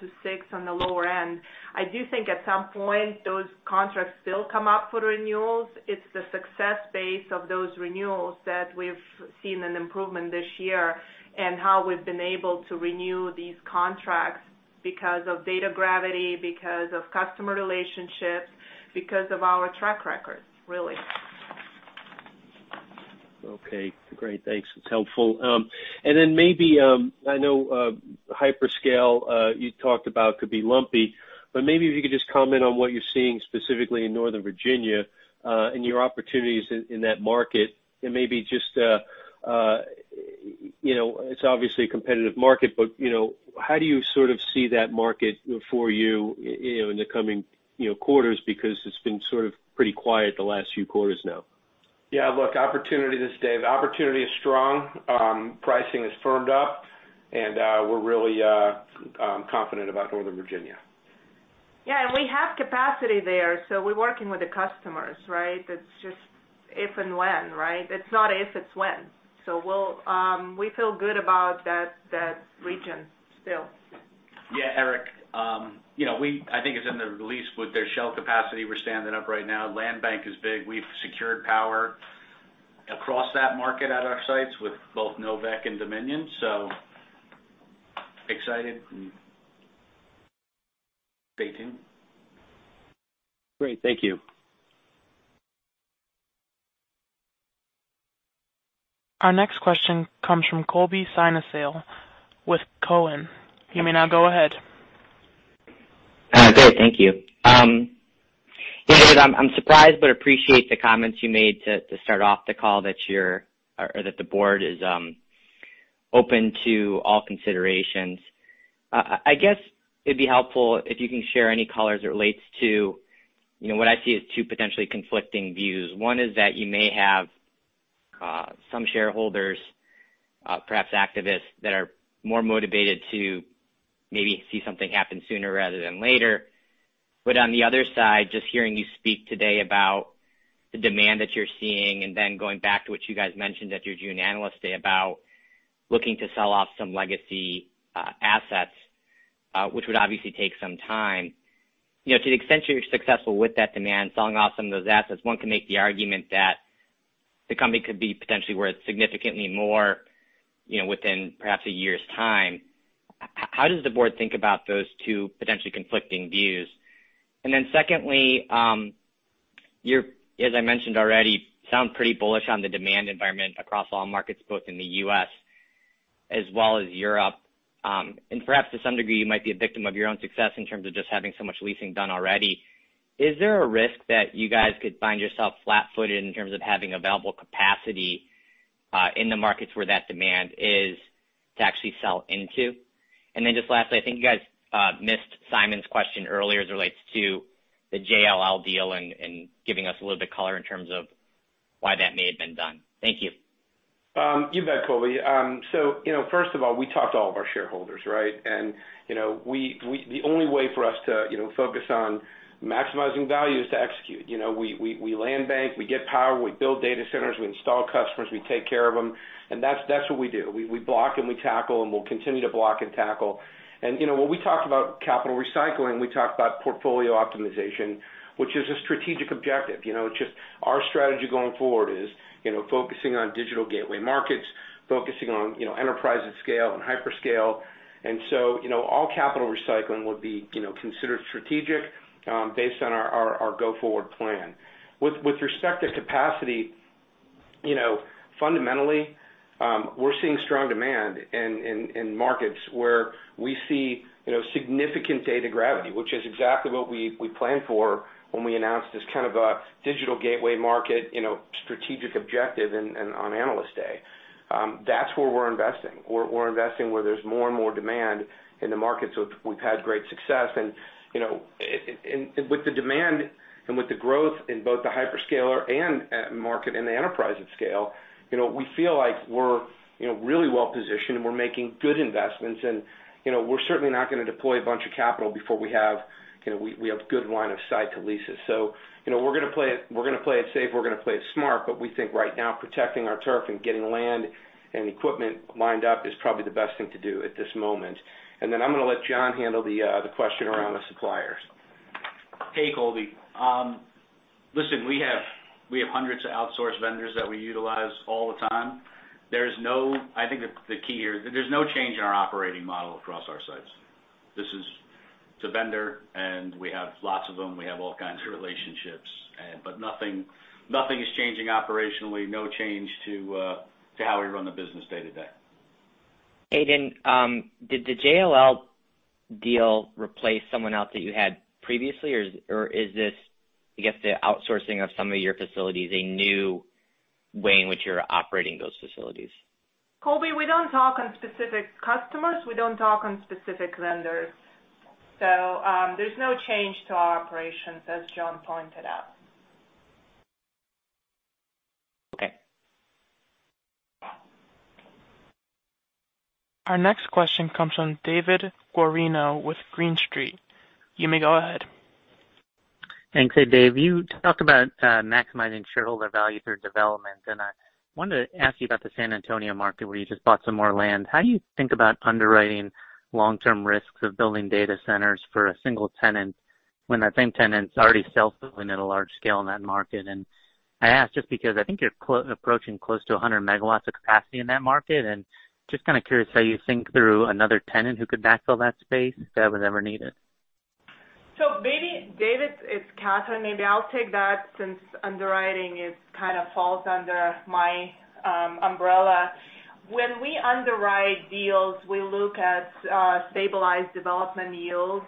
on the lower end. I do think at some point those contracts still come up for renewals. It's the success rate of those renewals that we've seen an improvement this year, and how we've been able to renew these contracts because of data gravity, because of customer relationships, because of our track record, really. Okay. Great. Thanks. It's helpful. Maybe I know hyperscale you talked about could be lumpy, but maybe if you could just comment on what you're seeing specifically in Northern Virginia and your opportunities in that market. Maybe just you know it's obviously a competitive market, but you know how do you sort of see that market for you you know in the coming you know quarters? Because it's been sort of pretty quiet the last few quarters now. Yeah. Look, opportunity, this is Dave. Opportunity is strong. Pricing has firmed up. We're really confident about Northern Virginia. Yeah. We have capacity there, so we're working with the customers, right? It's just if and when, right? It's not if, it's when. We feel good about that region still. Yeah, Eric. I think it's in the release with their shell capacity we're standing up right now. Land bank is big. We've secured power across that market at our sites with both NOVEC and Dominion, so excited, and stay tuned. Great. Thank you. Our next question comes from Colby Synesael with Cowen. You may now go ahead. Great. Thank you. Yeah, Dave, I'm surprised, but appreciate the comments you made to start off the call that the board is open to all considerations. I guess it'd be helpful if you can share any colors as it relates to, you know, what I see as two potentially conflicting views. One is that you may have some shareholders, perhaps activists that are more motivated to maybe see something happen sooner rather than later. On the other side, just hearing you speak today about the demand that you're seeing and then going back to what you guys mentioned at your June Analyst Day about looking to sell off some legacy assets, which would obviously take some time. You know, to the extent you're successful with that demand, selling off some of those assets, one can make the argument that the company could be potentially worth significantly more, you know, within perhaps a year's time. How does the board think about those two potentially conflicting views? Second, you sound pretty bullish on the demand environment across all markets, both in the U.S. as well as Europe. Perhaps to some degree, you might be a victim of your own success in terms of just having so much leasing done already. Is there a risk that you guys could find yourself flat-footed in terms of having available capacity, in the markets where that demand is to actually sell into? Just lastly, I think you guys missed Simon's question earlier as it relates to the JLL deal and giving us a little bit color in terms of why that may have been done. Thank you. You bet, Colby. You know, first of all, we talk to all of our shareholders, right? You know, the only way for us to, you know, focus on maximizing value is to execute. You know, we land bank, we get power, we build data centers, we install customers, we take care of them, and that's what we do. We block and we tackle, and we'll continue to block and tackle. You know, when we talk about capital recycling, we talk about portfolio optimization, which is a strategic objective. You know, it's just our strategy going forward is, you know, focusing on digital gateway markets, focusing on, you know, enterprise at scale and hyperscale. You know, all capital recycling would be, you know, considered strategic, based on our go-forward plan. With respect to capacity, you know, fundamentally, we're seeing strong demand in markets where we see significant data gravity, which is exactly what we planned for when we announced this kind of a digital gateway market strategic objective on Analyst Day. That's where we're investing. We're investing where there's more and more demand in the markets where we've had great success. You know, with the demand and with the growth in both the hyperscaler market and the enterprise at scale, you know, we feel like we're really well-positioned, and we're making good investments, and you know, we're certainly not gonna deploy a bunch of capital before we have good line of sight to leases. You know, we're gonna play it safe, we're gonna play it smart, but we think right now, protecting our turf and getting land and equipment lined up is probably the best thing to do at this moment. And then I'm gonna let Jon handle the question around the suppliers. Hey, Colby. Listen, we have hundreds of outsourced vendors that we utilize all the time. I think the key here, there's no change in our operating model across our sites. This is to vendors, and we have lots of them. We have all kinds of relationships, but nothing is changing operationally. No change to how we run the business day to day. Aidan, did the JLL deal replace someone else that you had previously or is this, I guess, the outsourcing of some of your facilities, a new way in which you're operating those facilities? Colby, we don't talk on specific customers. We don't talk on specific vendors. There's no change to our operations, as Jon pointed out. Okay. Our next question comes from David Guarino with Green Street. You may go ahead. Thanks. Hey, Dave, you talked about maximizing shareholder value through development, and I wanted to ask you about the San Antonio market where you just bought some more land. How do you think about underwriting long-term risks of building data centers for a single tenant when that same tenant's already self-building at a large scale in that market? I ask just because I think you're approaching close to 100 MW of capacity in that market, and just kind of curious how you think through another tenant who could backfill that space if that was ever needed. Maybe, David, it's Katherine. Maybe I'll take that since underwriting is kind of falls under my umbrella. When we underwrite deals, we look at stabilized development yields.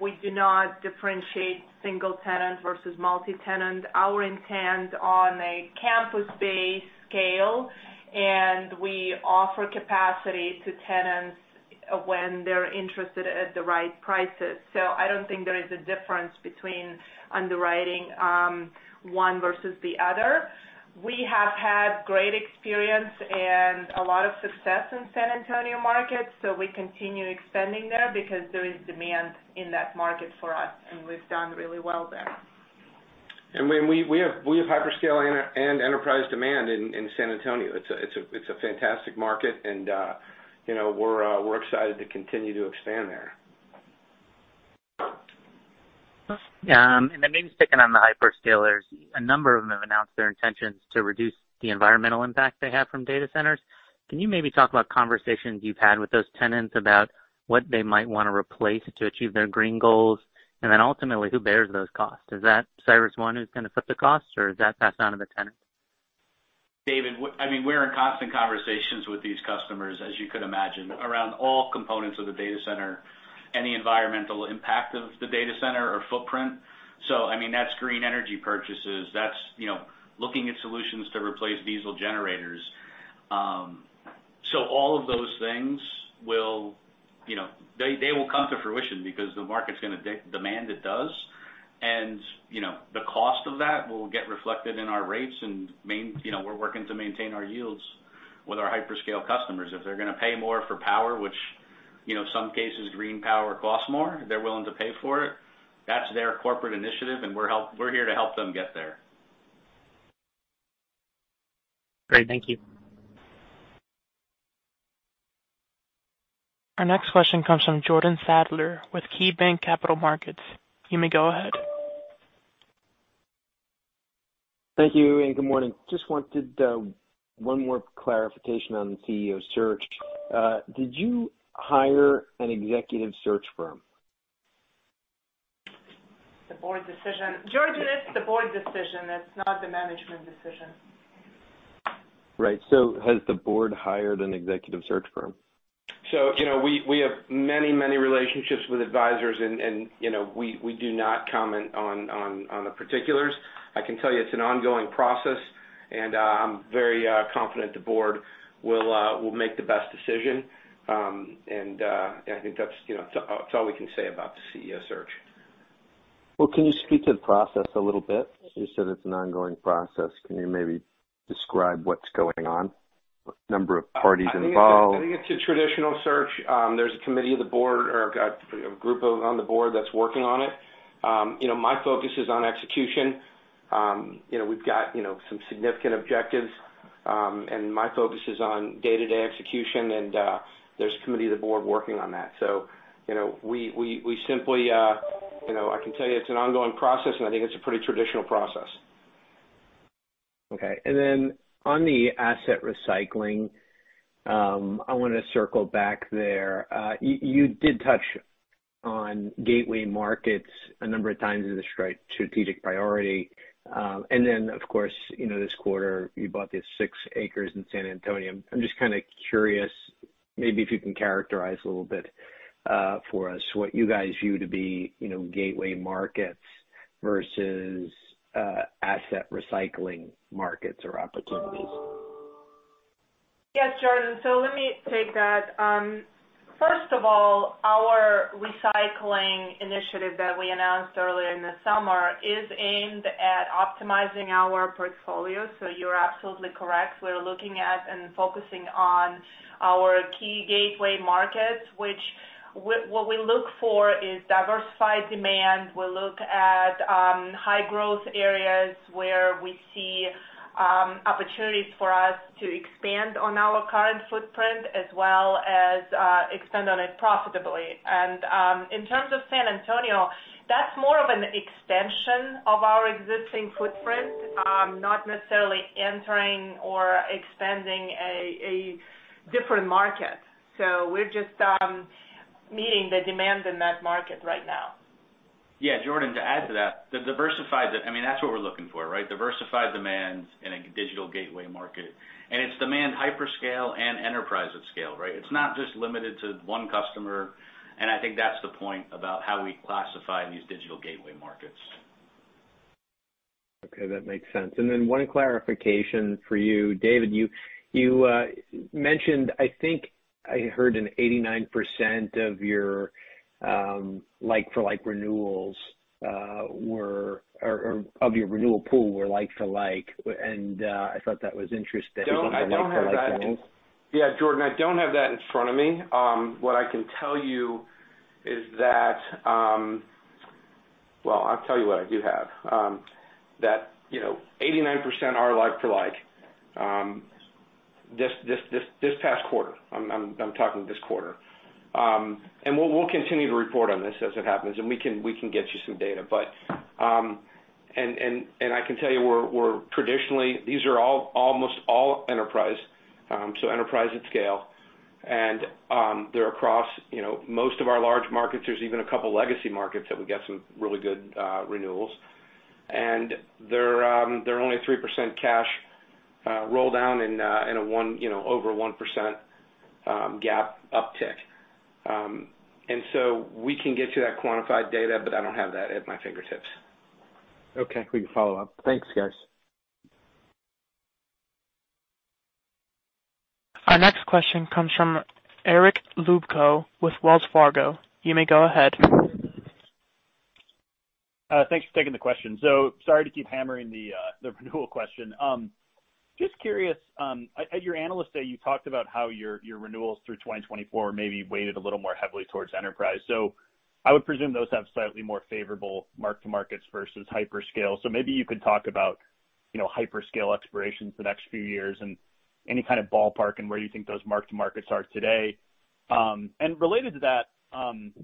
We do not differentiate single tenant versus multi-tenant. Our intent on a campus-based scale, and we offer capacity to tenants when they're interested at the right prices. I don't think there is a difference between underwriting one versus the other. We have had great experience and a lot of success in San Antonio market, so we continue expanding there because there is demand in that market for us, and we've done really well there. We have hyperscale and enterprise demand in San Antonio. It's a fantastic market and you know, we're excited to continue to expand there. Maybe sticking on the hyperscalers. A number of them have announced their intentions to reduce the environmental impact they have from data centers. Can you maybe talk about conversations you've had with those tenants about what they might wanna replace to achieve their green goals? Ultimately, who bears those costs? Is that CyrusOne who's gonna foot the costs, or does that pass down to the tenants? David, I mean, we're in constant conversations with these customers, as you could imagine, around all components of the data center and the environmental impact of the data center or footprint. I mean, that's green energy purchases. That's, you know, looking at solutions to replace diesel generators. All of those things will, you know, they will come to fruition because the market's gonna demand it does. You know, the cost of that will get reflected in our rates and you know, we're working to maintain our yields with our hyperscale customers. If they're gonna pay more for power, which, you know, some cases green power costs more, they're willing to pay for it, that's their corporate initiative, and we're here to help them get there. Great. Thank you. Our next question comes from Jordan Sadler with KeyBanc Capital Markets. You may go ahead. Thank you, and good morning. Just wanted one more clarification on the CEO search. Did you hire an executive search firm? The Board decision. Jordan, it's the Board decision. That's not the Management decision. Right. Has the board hired an executive search firm? You know, we have many relationships with advisors and, you know, we do not comment on the particulars. I can tell you it's an ongoing process, and I'm very confident the board will make the best decision. And I think that's, you know, it's all we can say about the CEO search. Well, can you speak to the process a little bit? You said it's an ongoing process. Can you maybe describe what's going on? Number of parties involved. I think it's a traditional search. There's a committee of the board or a group on the board that's working on it. You know, my focus is on execution. You know, we've got some significant objectives, and my focus is on day-to-day execution and there's a committee of the board working on that. You know, we simply, you know, I can tell you it's an ongoing process, and I think it's a pretty traditional process. Okay. On the asset recycling, I wanna circle back there. You did touch on gateway markets a number of times as a strategic priority. Of course, you know, this quarter you bought the 6 acres in San Antonio. I'm just kinda curious, maybe if you can characterize a little bit, for us what you guys view to be, you know, gateway markets versus, asset recycling markets or opportunities. Yes, Jordan, let me take that. First of all, our recycling initiative that we announced earlier in the summer is aimed at optimizing our portfolio. You're absolutely correct. We're looking at and focusing on our key gateway markets, which, what we look for is diversified demand. We look at high growth areas where we see opportunities for us to expand on our current footprint as well as extend on it profitably. In terms of San Antonio, that's more of an extension of our existing footprint, not necessarily entering or expanding a different market. We're just meeting the demand in that market right now. Yeah, Jordan, to add to that, the diversified, I mean, that's what we're looking for, right? Diversified demands in a digital gateway market. It's demand hyperscale and enterprise at scale, right? It's not just limited to one customer, and I think that's the point about how we classify these digital gateway markets. Okay, that makes sense. One clarification for you, David. You mentioned, I think I heard 89% of your like for like renewals or of your renewal pool were like to like, and I thought that was interesting. I don't have that. Yeah, Jordan, I don't have that in front of me. What I can tell you is that. Well, I'll tell you what I do have. That, you know, 89% are like to like this past quarter. I'm talking this quarter. We'll continue to report on this as it happens, and we can get you some data. But I can tell you we're traditionally these are almost all enterprise, so enterprise at scale. They're across, you know, most of our large markets. There's even a couple legacy markets that we got some really good renewals. They're only 3% cash roll down and a 1, you know, over 1% gap uptick. We can get you that quantified data, but I don't have that at my fingertips. Okay. We can follow up. Thanks, guys. Our next question comes from Eric Luebchow with Wells Fargo. You may go ahead. Thanks for taking the question. Sorry to keep hammering the renewal question. Just curious, at your analyst day, you talked about how your renewals through 2024 may be weighted a little more heavily towards enterprise. I would presume those have slightly more favorable mark to markets versus hyperscale. Maybe you could talk about, you know, hyperscale expirations the next few years and any kind of ballpark and where you think those mark to markets are today. Related to that,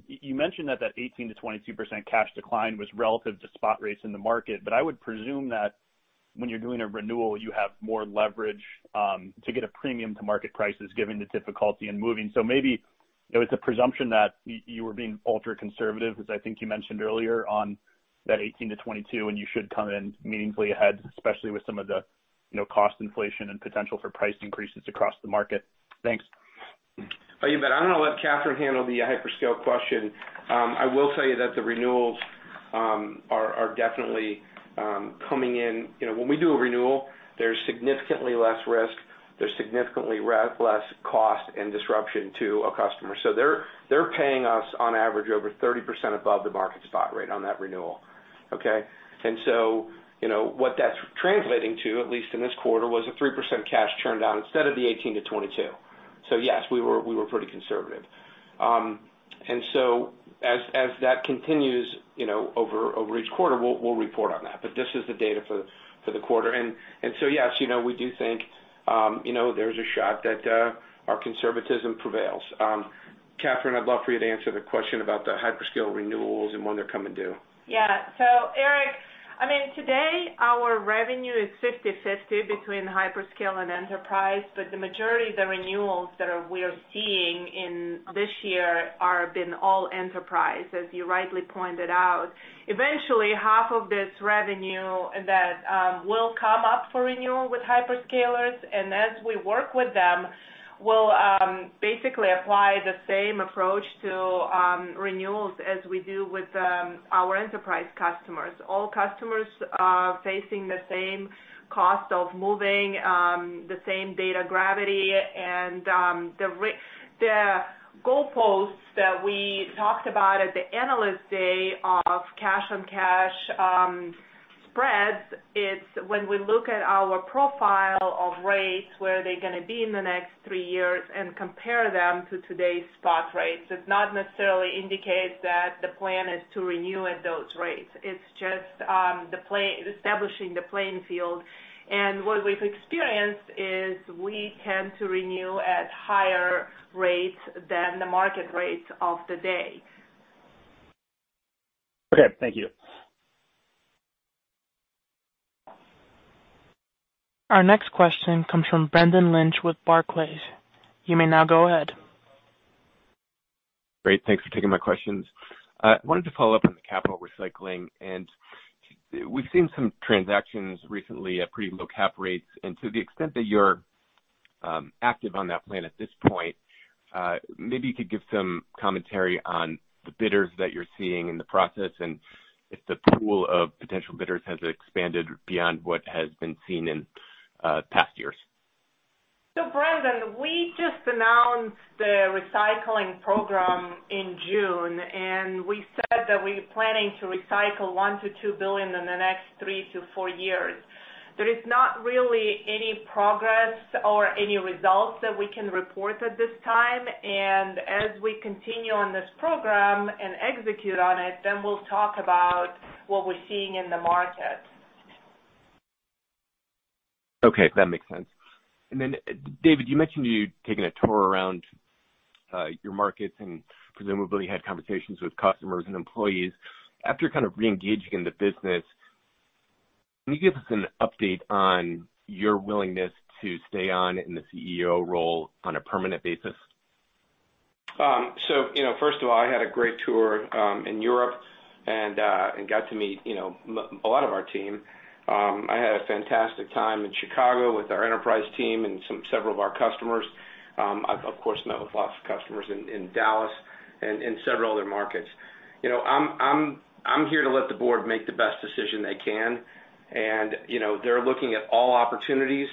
you mentioned that that 18%-22% cash decline was relative to spot rates in the market, but I would presume that when you're doing a renewal, you have more leverage to get a premium to market prices given the difficulty in moving. Maybe it was a presumption that you were being ultra-conservative, as I think you mentioned earlier, on that 18-22, and you should come in meaningfully ahead, especially with some of the, you know, cost inflation and potential for price increases across the market. Thanks. Oh, you bet. I'm gonna let Katherine handle the hyperscale question. I will tell you that the renewals are definitely coming in. You know, when we do a renewal, there's significantly less risk, there's significantly less cost and disruption to a customer. They're paying us on average over 30% above the market spot rate on that renewal, okay? You know, what that's translating to, at least in this quarter, was a 3% cash churn down instead of the 18%-22%. Yes, we were pretty conservative. As that continues, you know, over each quarter, we'll report on that. This is the data for the quarter. Yes, you know, we do think, you know, there's a shot that our conservatism prevails. Katherine, I'd love for you to answer the question about the hyperscale renewals and when they're coming due. Yeah. Eric, I mean, today our revenue is 50/50 between hyperscale and enterprise, but the majority of the renewals that we are seeing in this year are being all enterprise, as you rightly pointed out. Eventually, half of this revenue that will come up for renewal with hyperscalers, and as we work with them, we'll basically apply the same approach to renewals as we do with our enterprise customers. All customers are facing the same cost of moving the same data gravity and the goalposts that we talked about at the Analyst Day of cash on cash spreads. It's when we look at our profile of rates, where are they gonna be in the next three years and compare them to today's spot rates. It does not necessarily indicate that the plan is to renew at those rates. It's just establishing the playing field. What we've experienced is we tend to renew at higher rates than the market rates of the day. Okay. Thank you. Our next question comes from Brendan Lynch with Barclays. You may now go ahead. Great. Thanks for taking my questions. I wanted to follow up on the capital recycling, and we've seen some transactions recently at pretty low cap rates. To the extent that you're active on that plan at this point, maybe you could give some commentary on the bidders that you're seeing in the process and if the pool of potential bidders has expanded beyond what has been seen in past years. Brendan, we just announced the recycling program in June, and we said that we're planning to recycle $1 billion-$2 billion in the next 3-4 years. There is not really any progress or any results that we can report at this time. As we continue on this program and execute on it, then we'll talk about what we're seeing in the market. Okay, that makes sense. David, you mentioned you'd taken a tour around your markets and presumably had conversations with customers and employees. After kind of re-engaging in the business, can you give us an update on your willingness to stay on in the CEO role on a permanent basis? You know, first of all, I had a great tour in Europe and got to meet, you know, a lot of our team. I had a fantastic time in Chicago with our enterprise team and several of our customers. I've of course met with lots of customers in Dallas and in several other markets. You know, I'm here to let the board make the best decision they can. You know, they're looking at all opportunities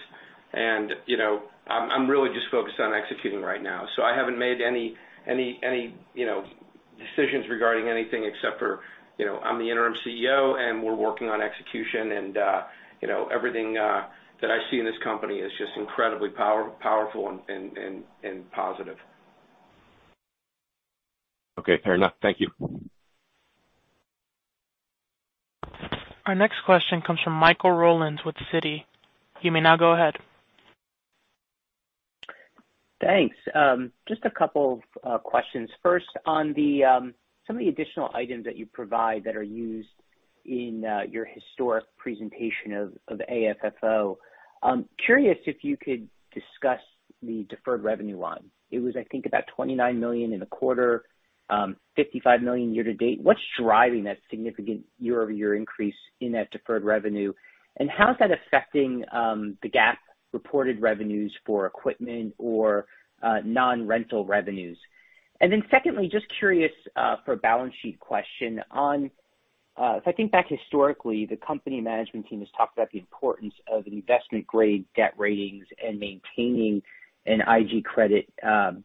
and, you know, I'm really just focused on executing right now. I haven't made any, you know, decisions regarding anything except for, you know, I'm the Interim CEO, and we're working on execution and, you know, everything that I see in this company is just incredibly powerful and positive. Okay, fair enough. Thank you. Our next question comes from Michael Rollins with Citi. You may now go ahead. Thanks. Just a couple of questions. First, on some of the additional items that you provide that are used in your historic presentation of AFFO. I'm curious if you could discuss the deferred revenue line. It was, I think, about $29 million in a quarter, $55 million year to date. What's driving that significant year-over-year increase in that deferred revenue, and how is that affecting the GAAP reported revenues for equipment or non-rental revenues? Then secondly, just curious for a balance sheet question on if I think back historically, the company management team has talked about the importance of investment-grade debt ratings and maintaining an IG credit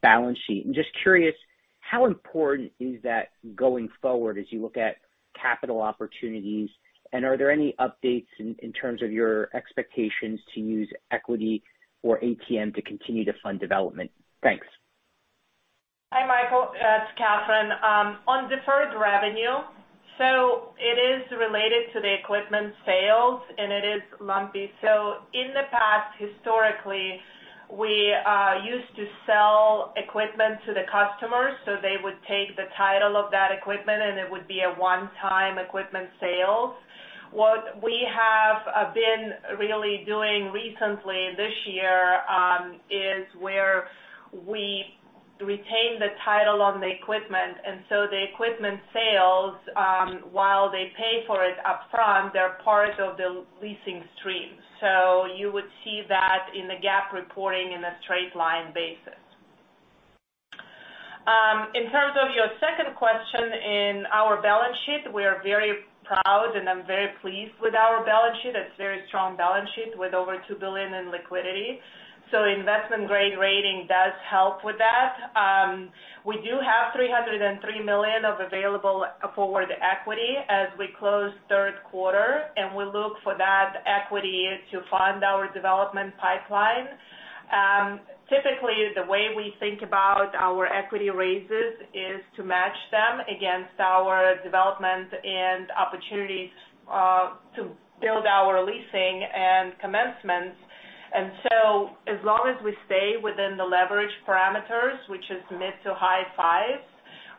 balance sheet. I'm just curious, how important is that going forward as you look at capital opportunities, and are there any updates in terms of your expectations to use equity or ATM to continue to fund development? Thanks. Hi, Michael. It's Katherine. On deferred revenue. It is related to the equipment sales, and it is lumpy. In the past, historically, we used to sell equipment to the customers, so they would take the title of that equipment, and it would be a one-time equipment sale. What we have been really doing recently this year is where we retain the title on the equipment, and so the equipment sales, while they pay for it upfront, they're part of the leasing stream. You would see that in the GAAP reporting in a straight-line basis. In terms of your second question in our balance sheet, we are very proud and I'm very pleased with our balance sheet. It's a very strong balance sheet with over $2 billion in liquidity. Investment grade rating does help with that. We do have $303 million of available forward equity as we close third quarter, and we look for that equity to fund our development pipeline. Typically, the way we think about our equity raises is to match them against our development and opportunities to build our leasing and commencements. As long as we stay within the leverage parameters, which is mid- to high 5s,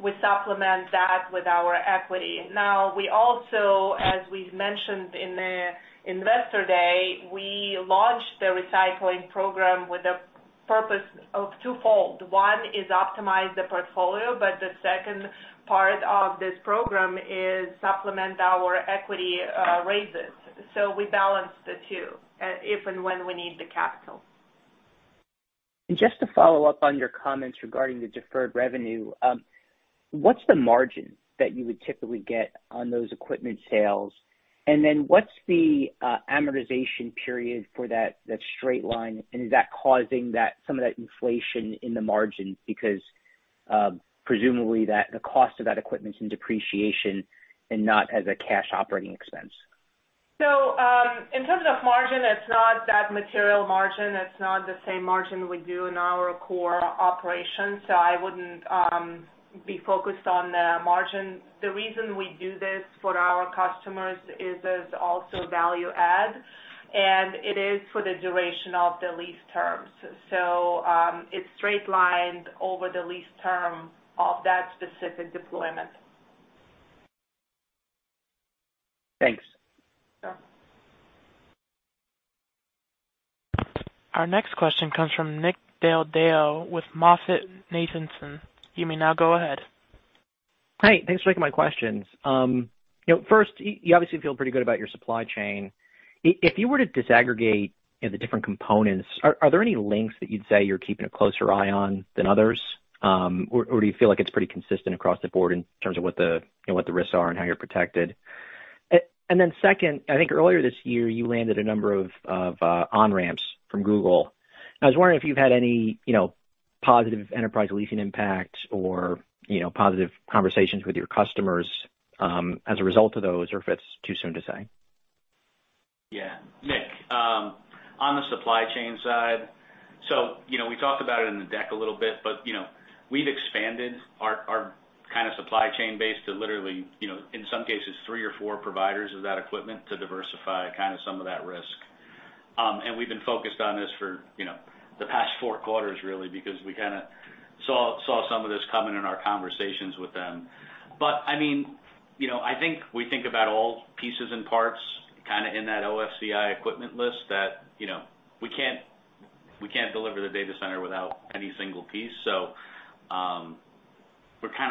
we supplement that with our equity. Now, we also, as we've mentioned in the investor day, we launched the recycling program with a purpose of twofold. One is optimize the portfolio, but the second part of this program is supplement our equity raises. We balance the two, if and when we need the capital. Just to follow up on your comments regarding the deferred revenue, what's the margin that you would typically get on those equipment sales? Then what's the amortization period for that straight line? Is that causing some of that inflation in the margin? Because, presumably the cost of that equipment is in depreciation and not as a cash operating expense. In terms of margin, it's not that material margin. It's not the same margin we do in our core operations, so I wouldn't be focused on the margin. The reason we do this for our customers is there's also value add, and it is for the duration of the lease terms. It's straight lined over the lease term of that specific deployment. Thanks. Our next question comes from Nick Del Deo with MoffettNathanson. You may now go ahead. Hi. Thanks for taking my questions. First, you obviously feel pretty good about your supply chain. If you were to disaggregate the different components, are there any links that you'd say you're keeping a closer eye on than others? Or do you feel like it's pretty consistent across the board in terms of what the risks are and how you're protected? Second, I think earlier this year, you landed a number of on-ramps from Google. I was wondering if you've had any positive enterprise leasing impact or positive conversations with your customers as a result of those, or if it's too soon to say. Yeah. Nick, on the supply chain side, you know, we talked about it in the deck a little bit, but, you know, we've expanded our kind of supply chain base to literally, you know, in some cases, 3 or 4 providers of that equipment to diversify kind of some of that risk. We've been focused on this for, you know, the past 4 quarters really because we kinda saw some of this coming in our conversations with them. I mean, you know, I think we think about all pieces and parts kind of in that OFCI equipment list that, you know, we can't deliver the data center without any single piece. We're kind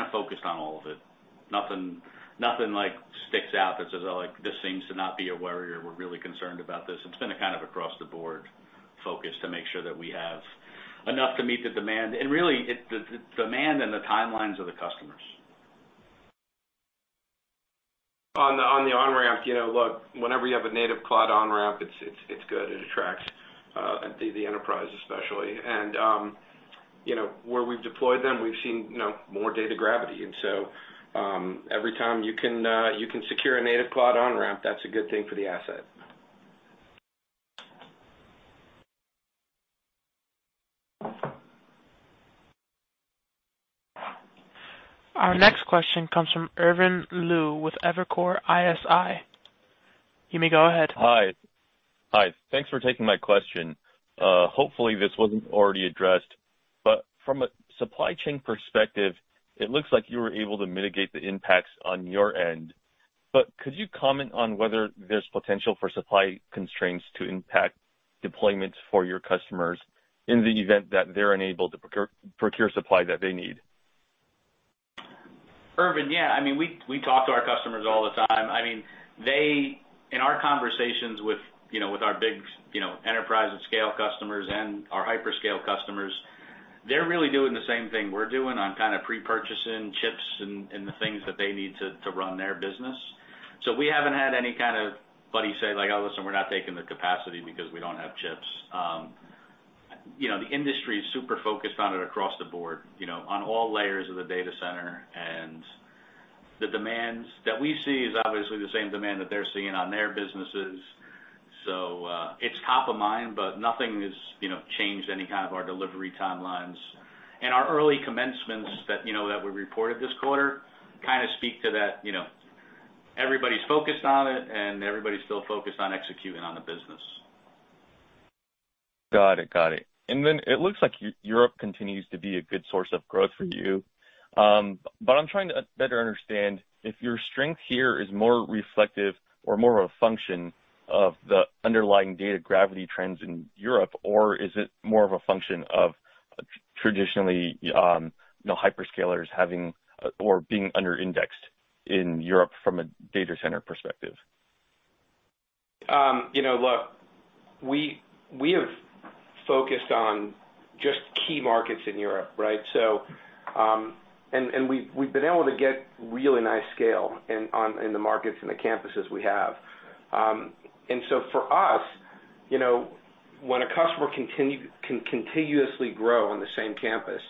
of focused on all of it. Nothing like sticks out that says, oh, like this seems to not be a worry, or we're really concerned about this. It's been a kind of across the board focus to make sure that we have enough to meet the demand, and really the demand and the timelines of the customers. On the on-ramp, you know, look, whenever you have a native cloud on-ramp, it's good. It attracts the enterprise especially. You know, where we've deployed them, we've seen, you know, more data gravity. Every time you can secure a native cloud on-ramp, that's a good thing for the asset. Our next question comes from Irvin Liu with Evercore ISI. You may go ahead. Hi. Hi. Thanks for taking my question. Hopefully this wasn't already addressed, but from a supply chain perspective, it looks like you were able to mitigate the impacts on your end. Could you comment on whether there's potential for supply constraints to impact deployments for your customers in the event that they're unable to procure supply that they need? Irvin, yeah, I mean, we talk to our customers all the time. I mean, in our conversations with, you know, with our big, you know, enterprise and scale customers and our hyperscale customers, they're really doing the same thing we're doing on kind of pre-purchasing chips and the things that they need to run their business. So we haven't had anybody say like, "Oh, listen, we're not taking the capacity because we don't have chips." You know, the industry is super focused on it across the board, you know, on all layers of the data center. The demands that we see is obviously the same demand that they're seeing on their businesses. So, it's top of mind, but nothing has, you know, changed any kind of our delivery timelines. Our early commencements that, you know, that we reported this quarter kind of speak to that, you know, everybody's focused on it, and everybody's still focused on executing on the business. Got it. Then it looks like your Europe continues to be a good source of growth for you. But I'm trying to better understand if your strength here is more reflective or more of a function of the underlying data gravity trends in Europe, or is it more of a function of traditionally, you know, hyperscalers having or being under indexed in Europe from a data center perspective? You know, look, we have focused on just key markets in Europe, right? We've been able to get really nice scale in the markets and the campuses we have. For us, you know, when a customer can continuously grow on the same campus,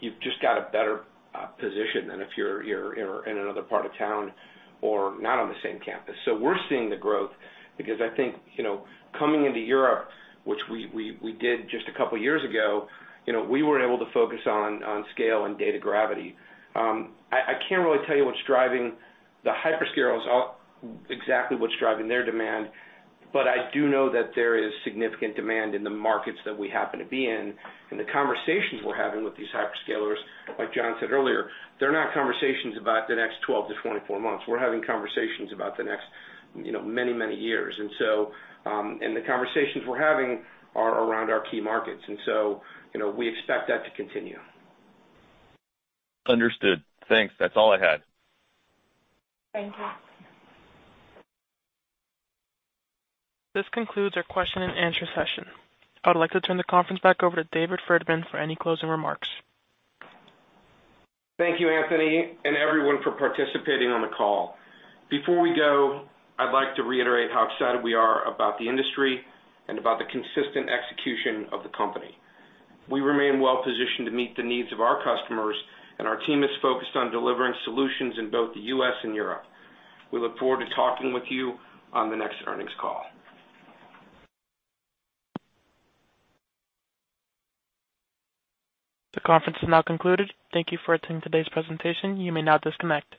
you've just got a better position than if you're in another part of town or not on the same campus. We're seeing the growth because I think, you know, coming into Europe, which we did just a couple of years ago, you know, we were able to focus on scale and data gravity. I can't really tell you what's driving the hyperscalers or exactly what's driving their demand, but I do know that there is significant demand in the markets that we happen to be in. The conversations we're having with these hyperscalers, like Jon said earlier, they're not conversations about the next 12-24 months. We're having conversations about the next, you know, many, many years. The conversations we're having are around our key markets. You know, we expect that to continue. Understood. Thanks. That's all I had. Thank you. This concludes our question and answer session. I would like to turn the conference back over to David Ferdman for any closing remarks. Thank you, Anthony, and everyone for participating on the call. Before we go, I'd like to reiterate how excited we are about the industry and about the consistent execution of the company. We remain well-positioned to meet the needs of our customers, and our team is focused on delivering solutions in both the U.S. and Europe. We look forward to talking with you on the next earnings call. The conference is now concluded. Thank you for attending today's presentation. You may now disconnect.